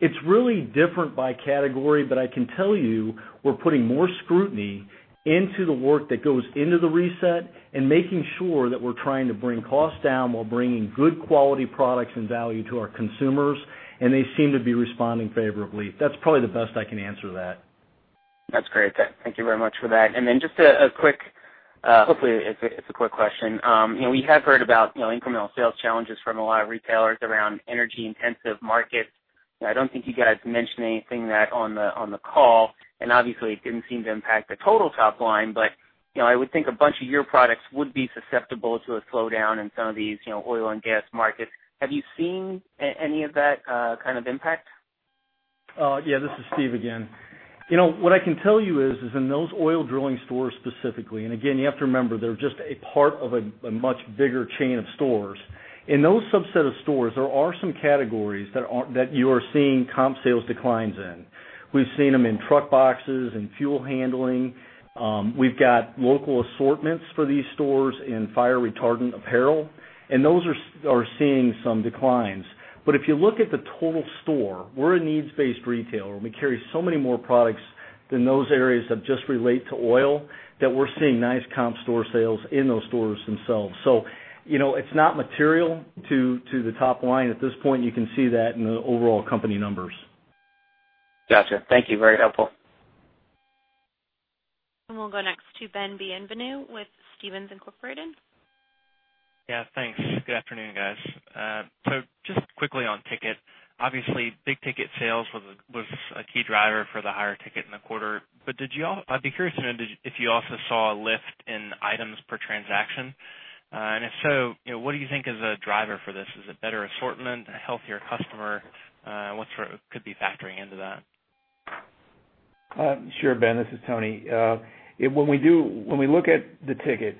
It's really different by category, but I can tell you, we're putting more scrutiny into the work that goes into the reset and making sure that we're trying to bring costs down while bringing good quality products and value to our consumers, and they seem to be responding favorably. That's probably the best I can answer that. That's great. Thank you very much for that. Just a quick, hopefully it's a quick question. We have heard about incremental sales challenges from a lot of retailers around energy-intensive markets, and I don't think you guys mentioned anything that on the call, and obviously it didn't seem to impact the total top line, but I would think a bunch of your products would be susceptible to a slowdown in some of these oil and gas markets. Have you seen any of that kind of impact? This is Steve again. What I can tell you is in those oil drilling stores specifically, again, you have to remember, they're just a part of a much bigger chain of stores. In those subset of stores, there are some categories that you are seeing comp sales declines in. We've seen them in truck boxes and fuel handling. We've got local assortments for these stores in fire retardant apparel, and those are seeing some declines. If you look at the total store, we're a needs-based retailer, and we carry so many more products than those areas that just relate to oil that we're seeing nice comp store sales in those stores themselves. It's not material to the top line. At this point, you can see that in the overall company numbers. Gotcha. Thank you. Very helpful. We'll go next to Ben Bienvenu with Stephens Inc.. Yeah, thanks. Good afternoon, guys. Just quickly on ticket, obviously big ticket sales was a key driver for the higher ticket in the quarter, I'd be curious to know if you also saw a lift in items per transaction. If so, what do you think is a driver for this? Is it better assortment, a healthier customer? What could be factoring into that? Sure, Ben, this is Tony. When we look at the ticket,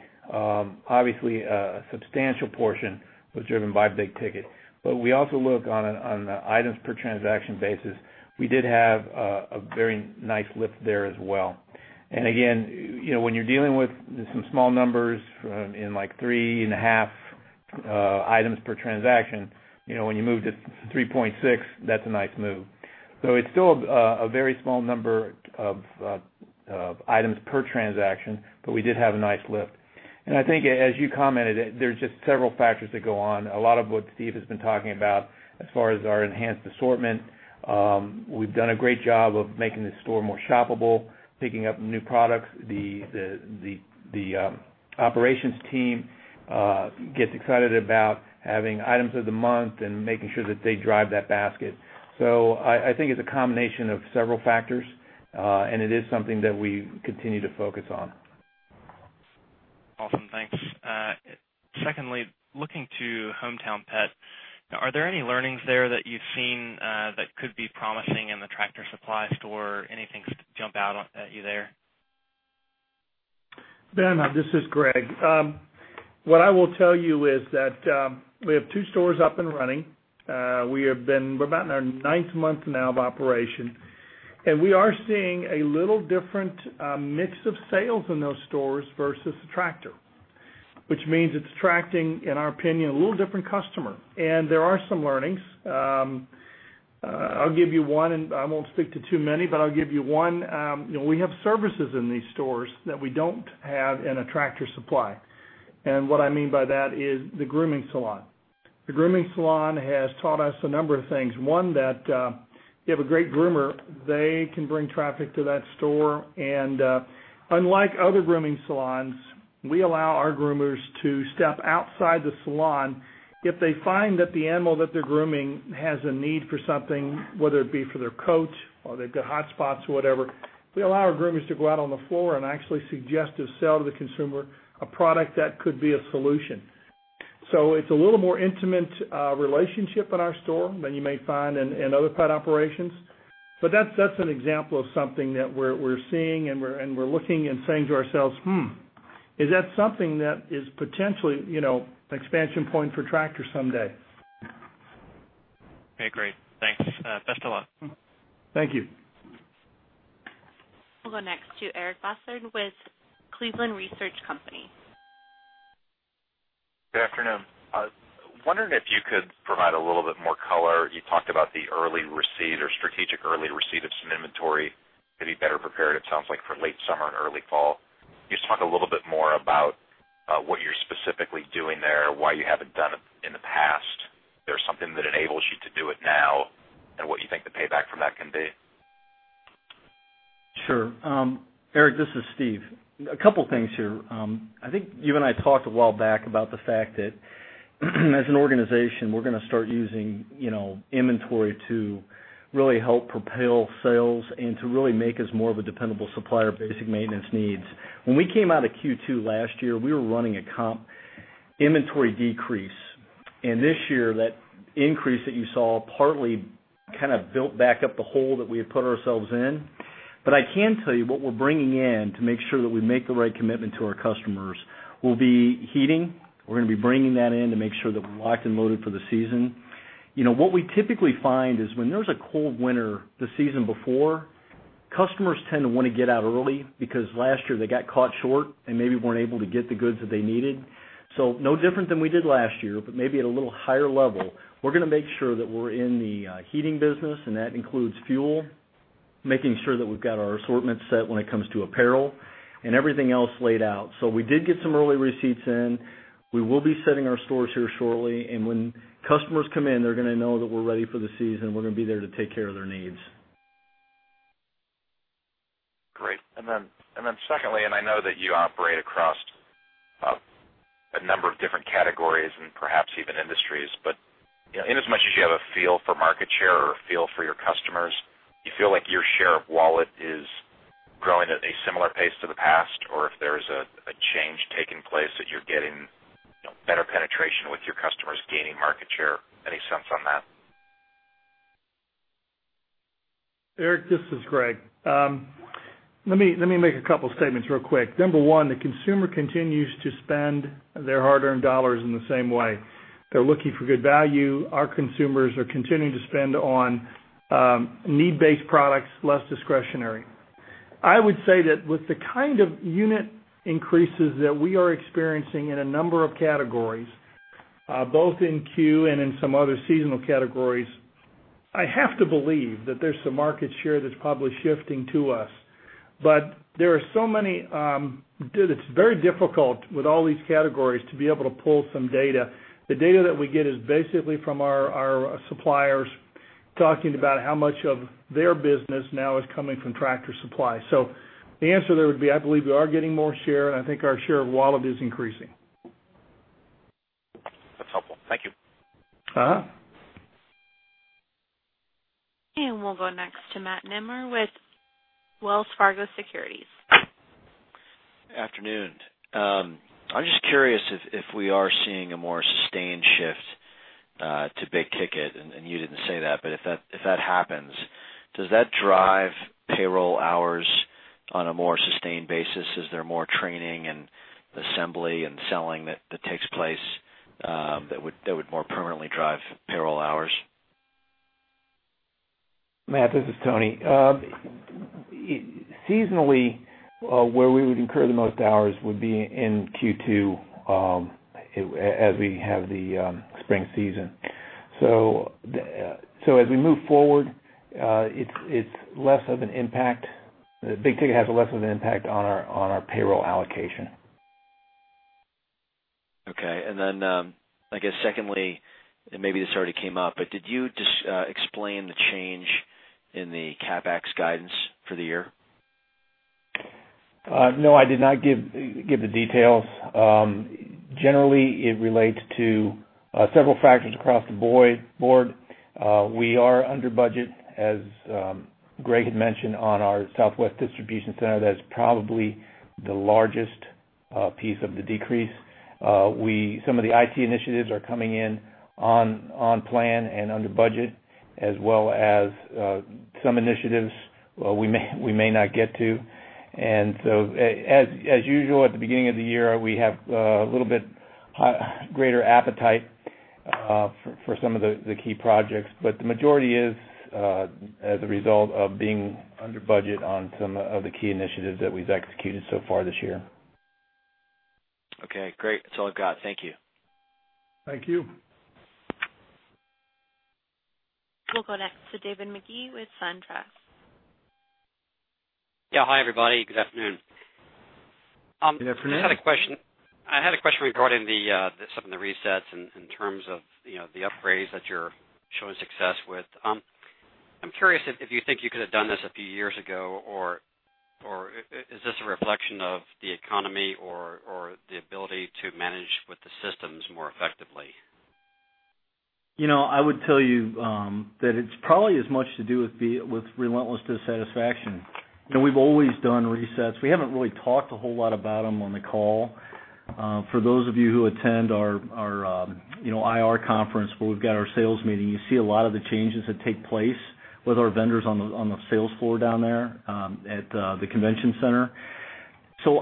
obviously a substantial portion was driven by big ticket. We also look on the items per transaction basis. We did have a very nice lift there as well. Again, when you're dealing with some small numbers in like three and a half items per transaction, when you move to three point six, that's a nice move. It's still a very small number of items per transaction, but we did have a nice lift. I think as you commented, there's just several factors that go on. A lot of what Steve has been talking about as far as our enhanced assortment. We've done a great job of making the store more shoppable, picking up new products. The operations team gets excited about having items of the month and making sure that they drive that basket. I think it's a combination of several factors, and it is something that we continue to focus on. Awesome. Thanks. Secondly, looking to Hometown Pet, are there any learnings there that you've seen that could be promising in the Tractor Supply store? Anything jump out at you there? Ben, this is Greg. What I will tell you is that we have two stores up and running. We're about in our ninth month now of operation, we are seeing a little different mix of sales in those stores versus Tractor, which means it's attracting, in our opinion, a little different customer. There are some learnings. I'll give you one and I won't speak to too many, but I'll give you one. We have services in these stores that we don't have in a Tractor Supply. What I mean by that is the grooming salon. The grooming salon has taught us a number of things. One, that if you have a great groomer, they can bring traffic to that store. Unlike other grooming salons, we allow our groomers to step outside the salon if they find that the animal that they're grooming has a need for something, whether it be for their coat or they've got hot spots or whatever. We allow our groomers to go out on the floor and actually suggest or sell to the consumer a product that could be a solution. It's a little more intimate relationship in our store than you may find in other pet operations. That's an example of something that we're seeing and we're looking and saying to ourselves, "Hmm. Is that something that is potentially an expansion point for Tractor someday? Okay, great. Thanks. Best of luck. Thank you. We'll go next to Eric Bosshard with Cleveland Research Company. Good afternoon. Wondering if you could provide a little bit more color. You talked about the strategic early receipt of some inventory to be better prepared, it sounds like for late summer and early fall. Can you just talk a little bit more about what you're specifically doing there, why you haven't done it in the past? Is there something that enables you to do it now, and what you think the payback from that can be? Sure. Eric, this is Steve. A couple things here. I think you and I talked a while back about the fact that as an organization, we're going to start using inventory to really help propel sales and to really make us more of a dependable supplier of basic maintenance needs. When we came out of Q2 last year, we were running a comp inventory decrease. This year, that increase that you saw partly kind of built back up the hole that we had put ourselves in. I can tell you what we're bringing in to make sure that we make the right commitment to our customers will be heating. We're going to be bringing that in to make sure that we're locked and loaded for the season. What we typically find is when there's a cold winter the season before, customers tend to want to get out early because last year they got caught short and maybe weren't able to get the goods that they needed. No different than we did last year, but maybe at a little higher level. We're going to make sure that we're in the heating business, and that includes fuel, making sure that we've got our assortment set when it comes to apparel and everything else laid out. We did get some early receipts in. We will be setting our stores here shortly, and when customers come in, they're going to know that we're ready for the season. We're going to be there to take care of their needs. Great. Secondly, I know that you operate across a number of different categories and perhaps even industries, but inasmuch as you have a feel for market share or a feel for your customers, you feel like your share of wallet is growing at a similar pace to the past or if there's a change taking place that you're getting better penetration with your customers gaining market share. Any sense on that? Eric, this is Greg. Let me make a couple statements real quick. Number 1, the consumer continues to spend their hard-earned dollars in the same way. They're looking for good value. Our consumers are continuing to spend on need-based products, less discretionary. I would say that with the kind of unit increases that we are experiencing in a number of categories, both in Q and in some other seasonal categories, I have to believe that there's some market share that's probably shifting to us. It's very difficult with all these categories to be able to pull some data. The data that we get is basically from our suppliers talking about how much of their business now is coming from Tractor Supply. The answer there would be, I believe we are getting more share, and I think our share of wallet is increasing. That's helpful. Thank you. We'll go next to Matt Nemer with Wells Fargo Securities. Afternoon. I'm just curious if we are seeing a more sustained shift to big ticket, and you didn't say that, but if that happens, does that drive payroll hours on a more sustained basis? Is there more training and assembly and selling that takes place that would more permanently drive payroll hours? Matt, this is Tony. Seasonally, where we would incur the most hours would be in Q2, as we have the spring season. As we move forward, big ticket has less of an impact on our payroll allocation. Okay, then I guess secondly, and maybe this already came up, but did you explain the change in the CapEx guidance for the year? No, I did not give the details. Generally it relates to several factors across the board. We are under budget as Greg had mentioned on our Southwest Distribution Center. That is probably the largest piece of the decrease. Some of the IT initiatives are coming in on plan and under budget as well as some initiatives we may not get to. As usual, at the beginning of the year, we have a little bit greater appetite for some of the key projects. The majority is as a result of being under budget on some of the key initiatives that we've executed so far this year. Okay, great. That's all I've got. Thank you. Thank you. We'll go next to David Magee with SunTrust. Yeah. Hi, everybody. Good afternoon. Good afternoon. I had a question regarding some of the resets in terms of the upgrades that you're showing success with. I'm curious if you think you could have done this a few years ago, or is this a reflection of the economy or the ability to manage with the systems more effectively? I would tell you that it's probably as much to do with relentless dissatisfaction. We've always done resets. We haven't really talked a whole lot about them on the call. For those of you who attend our IR conference, where we've got our sales meeting, you see a lot of the changes that take place with our vendors on the sales floor down there at the convention center.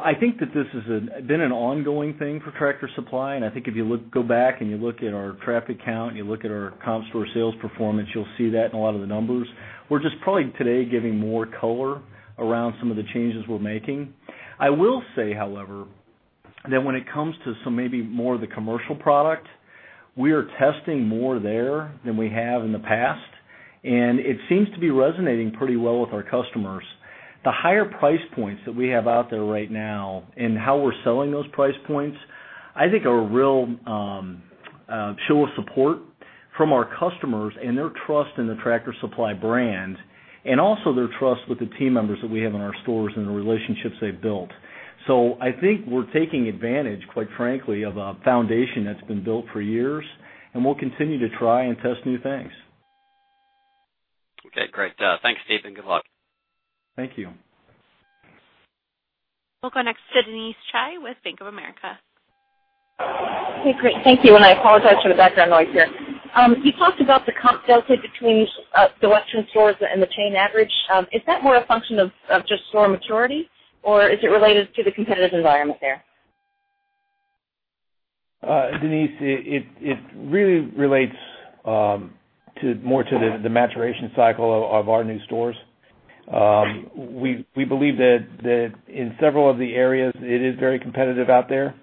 I think that this has been an ongoing thing for Tractor Supply, and I think if you go back and you look at our traffic count, and you look at our comp store sales performance, you'll see that in a lot of the numbers. We're just probably today giving more color around some of the changes we're making. I will say, however, that when it comes to some, maybe more of the commercial product, we are testing more there than we have in the past, and it seems to be resonating pretty well with our customers. The higher price points that we have out there right now and how we're selling those price points, I think are a real show of support from our customers and their trust in the Tractor Supply brand, and also their trust with the team members that we have in our stores and the relationships they've built. I think we're taking advantage, quite frankly, of a foundation that's been built for years, and we'll continue to try and test new things. Okay, great. Thanks, Steve, Good luck. Thank you. We'll go next to Denise Chai with Bank of America. Okay, great. Thank you. I apologize for the background noise here. You talked about the comp delta between the Western stores and the chain average. Is that more a function of just store maturity, or is it related to the competitive environment there? Denise, it really relates more to the maturation cycle of our new stores. We believe that in several of the areas, it is very competitive out there.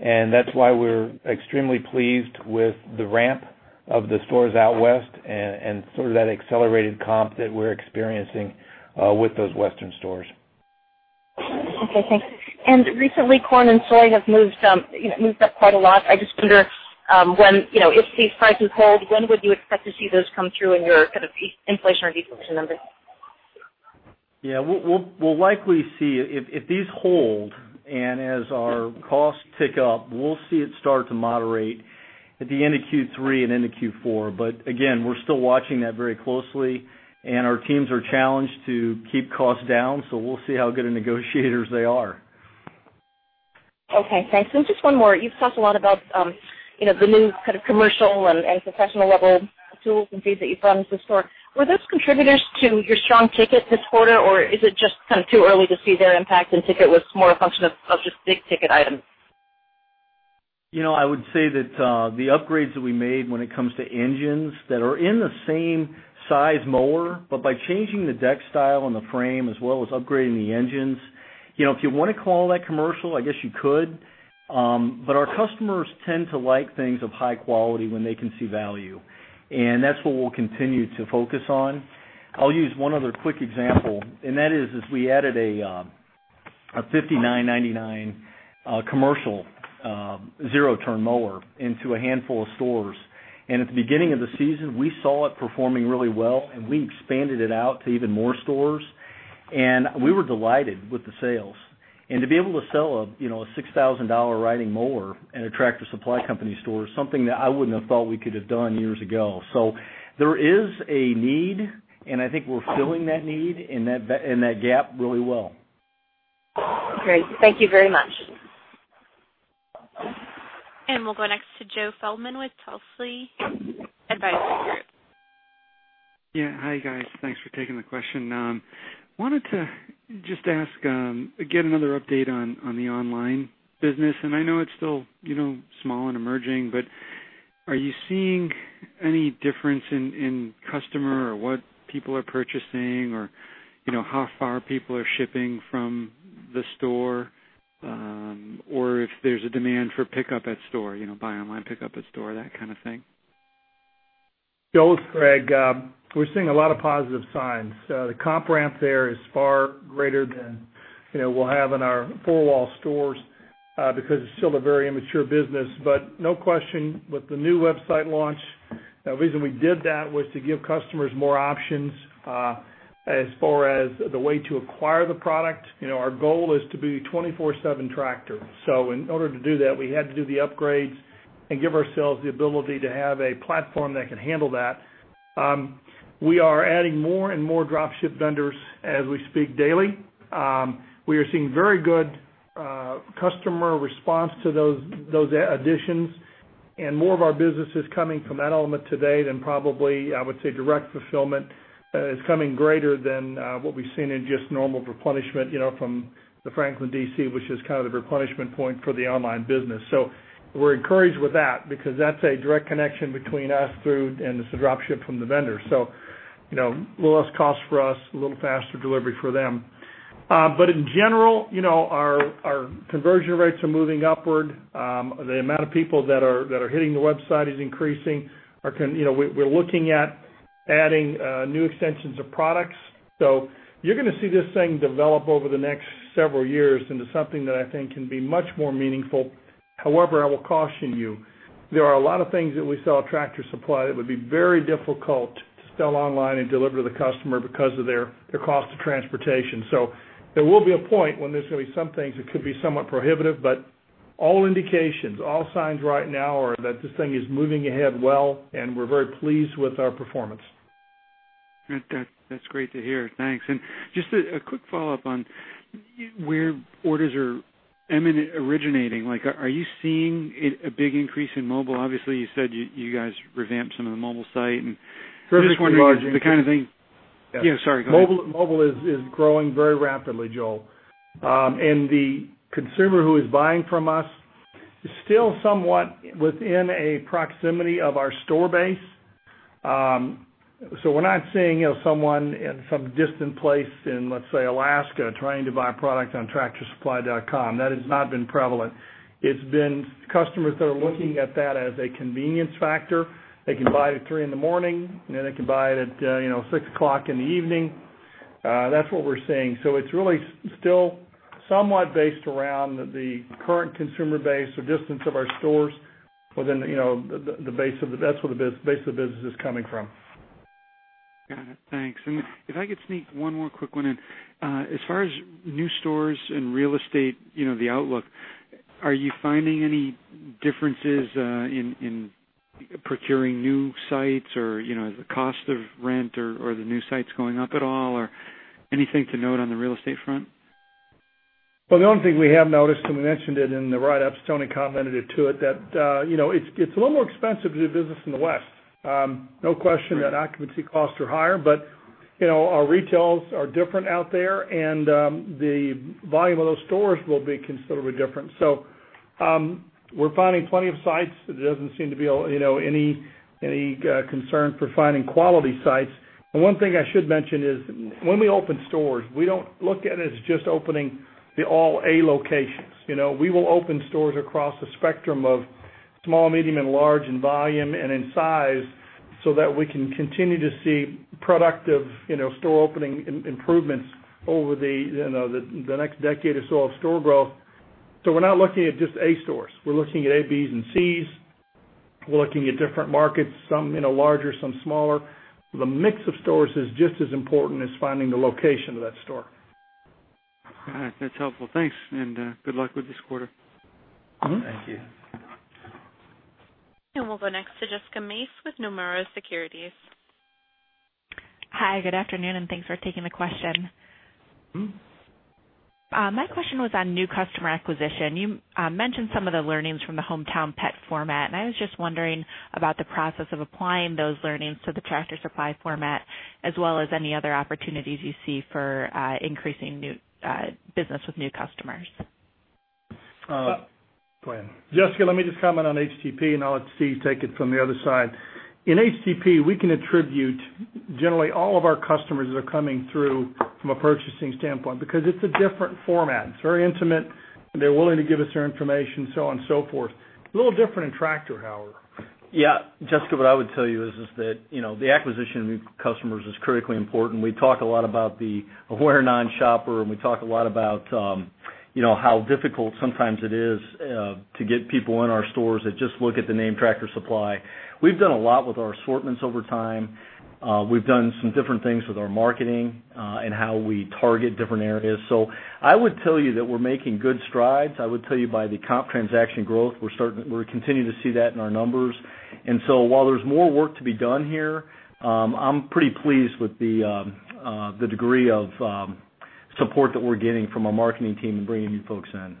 That's why we're extremely pleased with the ramp of the stores out West and sort of that accelerated comp that we're experiencing with those Western stores. Okay, thanks. Recently, corn and soy have moved up quite a lot. I just wonder if these prices hold, when would you expect to see those come through in your kind of inflation or deflation numbers? Yeah, we'll likely see. If these hold, as our costs tick up, we'll see it start to moderate at the end of Q3 and into Q4. Again, we're still watching that very closely. Our teams are challenged to keep costs down, so we'll see how good of negotiators they are. Okay, thanks. Just one more. You've talked a lot about the new kind of commercial and professional-level tools and things that you've brought into the store. Were those contributors to your strong ticket this quarter, or is it just kind of too early to see their impact, and ticket was more a function of just big-ticket items? I would say that the upgrades that we made when it comes to engines that are in the same size mower, but by changing the deck style and the frame as well as upgrading the engines. If you want to call that commercial, I guess you could. Our customers tend to like things of high quality when they can see value, and that's what we'll continue to focus on. I'll use one other quick example, and that is we added a $5,999 commercial zero-turn mower into a handful of stores. At the beginning of the season, we saw it performing really well, and we expanded it out to even more stores. We were delighted with the sales. To be able to sell a $6,000 riding mower in a Tractor Supply Company store is something that I wouldn't have thought we could have done years ago. There is a need, and I think we're filling that need and that gap really well. Great. Thank you very much. We'll go next to Joe Feldman with Telsey Advisory Group. Yeah. Hi, guys. Thanks for taking the question. Wanted to just ask, again, another update on the online business, I know it's still small and emerging, but are you seeing any difference in customer or what people are purchasing or how far people are shipping from the store, or if there's a demand for pickup at store, buy online, pickup at store, that kind of thing? Joe, it's Greg. We're seeing a lot of positive signs. The comp ramp there is far greater than we'll have in our four-wall stores because it's still a very immature business. No question with the new website launch, the reason we did that was to give customers more options as far as the way to acquire the product. Our goal is to be 24/7 Tractor. In order to do that, we had to do the upgrades and give ourselves the ability to have a platform that can handle that. We are adding more and more drop-ship vendors as we speak daily. We are seeing very good customer response to those additions and more of our business is coming from that element today than probably, I would say, direct fulfillment is coming greater than what we've seen in just normal replenishment from the Franklin DC, which is the replenishment point for the online business. We're encouraged with that because that's a direct connection between us through, and it's a drop ship from the vendor. A little less cost for us, a little faster delivery for them. In general our conversion rates are moving upward. The amount of people that are hitting the website is increasing. We're looking at adding new extensions of products. You're going to see this thing develop over the next several years into something that I think can be much more meaningful. I will caution you, there are a lot of things that we sell at Tractor Supply that would be very difficult to sell online and deliver to the customer because of their cost of transportation. There will be a point when there's going to be some things that could be somewhat prohibitive, but all indications, all signs right now are that this thing is moving ahead well, and we're very pleased with our performance. Good. That's great to hear. Thanks. Just a quick follow-up on where orders are originating. Are you seeing a big increase in mobile? Obviously, you said you guys revamped some of the mobile site, and I'm just wondering- Perfectly logical the kind of thing Yeah, sorry. Go ahead. Mobile is growing very rapidly, Joe. The consumer who is buying from us is still somewhat within a proximity of our store base. We're not seeing someone in some distant place in, let's say, Alaska, trying to buy product on tractorsupply.com. That has not been prevalent. It's been customers that are looking at that as a convenience factor. They can buy it at 3:00 A.M., and then they can buy it at 6:00 P.M. That's what we're seeing. It's really still somewhat based around the current consumer base or distance of our stores. That's where the base of the business is coming from. Got it. Thanks. If I could sneak one more quick one in. As far as new stores and real estate, the outlook, are you finding any differences in procuring new sites or the cost of rent or the new sites going up at all or anything to note on the real estate front? The only thing we have noticed, and we mentioned it in the write-up, Tony commented it to it, that it's a little more expensive to do business in the West. No question that occupancy costs are higher, but our retails are different out there, and the volume of those stores will be considerably different. We're finding plenty of sites. There doesn't seem to be any concern for finding quality sites. The one thing I should mention is when we open stores, we don't look at it as just opening the all A locations. We will open stores across the spectrum of small, medium, and large in volume and in size so that we can continue to see productive store opening improvements over the next decade or so of store growth. We're not looking at just A stores. We're looking at A, Bs, and Cs. We're looking at different markets, some larger, some smaller. The mix of stores is just as important as finding the location of that store. Got it. That's helpful. Thanks. Good luck with this quarter. Thank you. We'll go next to Jessica Mace with Nomura Securities. Hi, good afternoon, thanks for taking the question. My question was on new customer acquisition. You mentioned some of the learnings from the Hometown Pet format, I was just wondering about the process of applying those learnings to the Tractor Supply format, as well as any other opportunities you see for increasing business with new customers. Go ahead. Jessica, let me just comment on HTP and I'll let Steve take it from the other side. In HTP, we can attribute generally all of our customers that are coming through from a purchasing standpoint because it's a different format. It's very intimate, and they're willing to give us their information, so on and so forth. A little different in Tractor, however. Yeah. Jessica, what I would tell you is that the acquisition of new customers is critically important. We talk a lot about the aware non-shopper, and we talk a lot about how difficult sometimes it is to get people in our stores that just look at the name Tractor Supply. We've done a lot with our assortments over time. We've done some different things with our marketing, and how we target different areas. I would tell you that we're making good strides. I would tell you by the comp transaction growth, we're continuing to see that in our numbers. While there's more work to be done here, I'm pretty pleased with the degree of support that we're getting from our marketing team in bringing new folks in.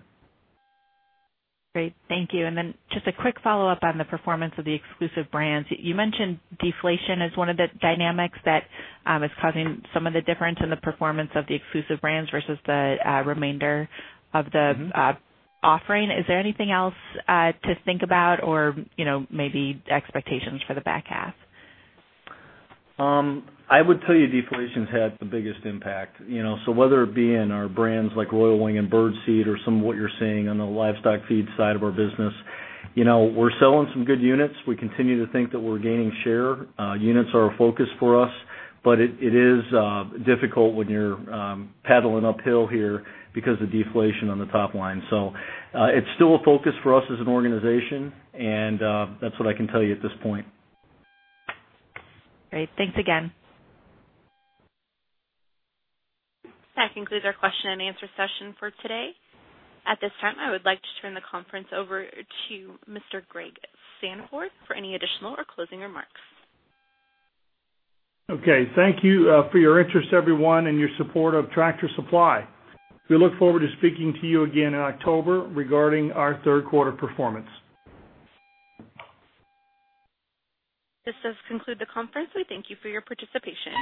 Great. Thank you. Then just a quick follow-up on the performance of the exclusive brands. You mentioned deflation as one of the dynamics that is causing some of the difference in the performance of the exclusive brands versus the remainder of the offering. Is there anything else to think about or maybe expectations for the back half? I would tell you deflation's had the biggest impact. Whether it be in our brands like Royal Wing and Bird Seed or some of what you're seeing on the livestock feed side of our business, we're selling some good units. We continue to think that we're gaining share. Units are a focus for us, but it is difficult when you're paddling uphill here because of deflation on the top line. It's still a focus for us as an organization, and that's what I can tell you at this point. Great. Thanks again. That concludes our question and answer session for today. At this time, I would like to turn the conference over to Mr. Greg Sandfort for any additional or closing remarks. Okay. Thank you for your interest, everyone, and your support of Tractor Supply. We look forward to speaking to you again in October regarding our third quarter performance. This does conclude the conference. We thank you for your participation.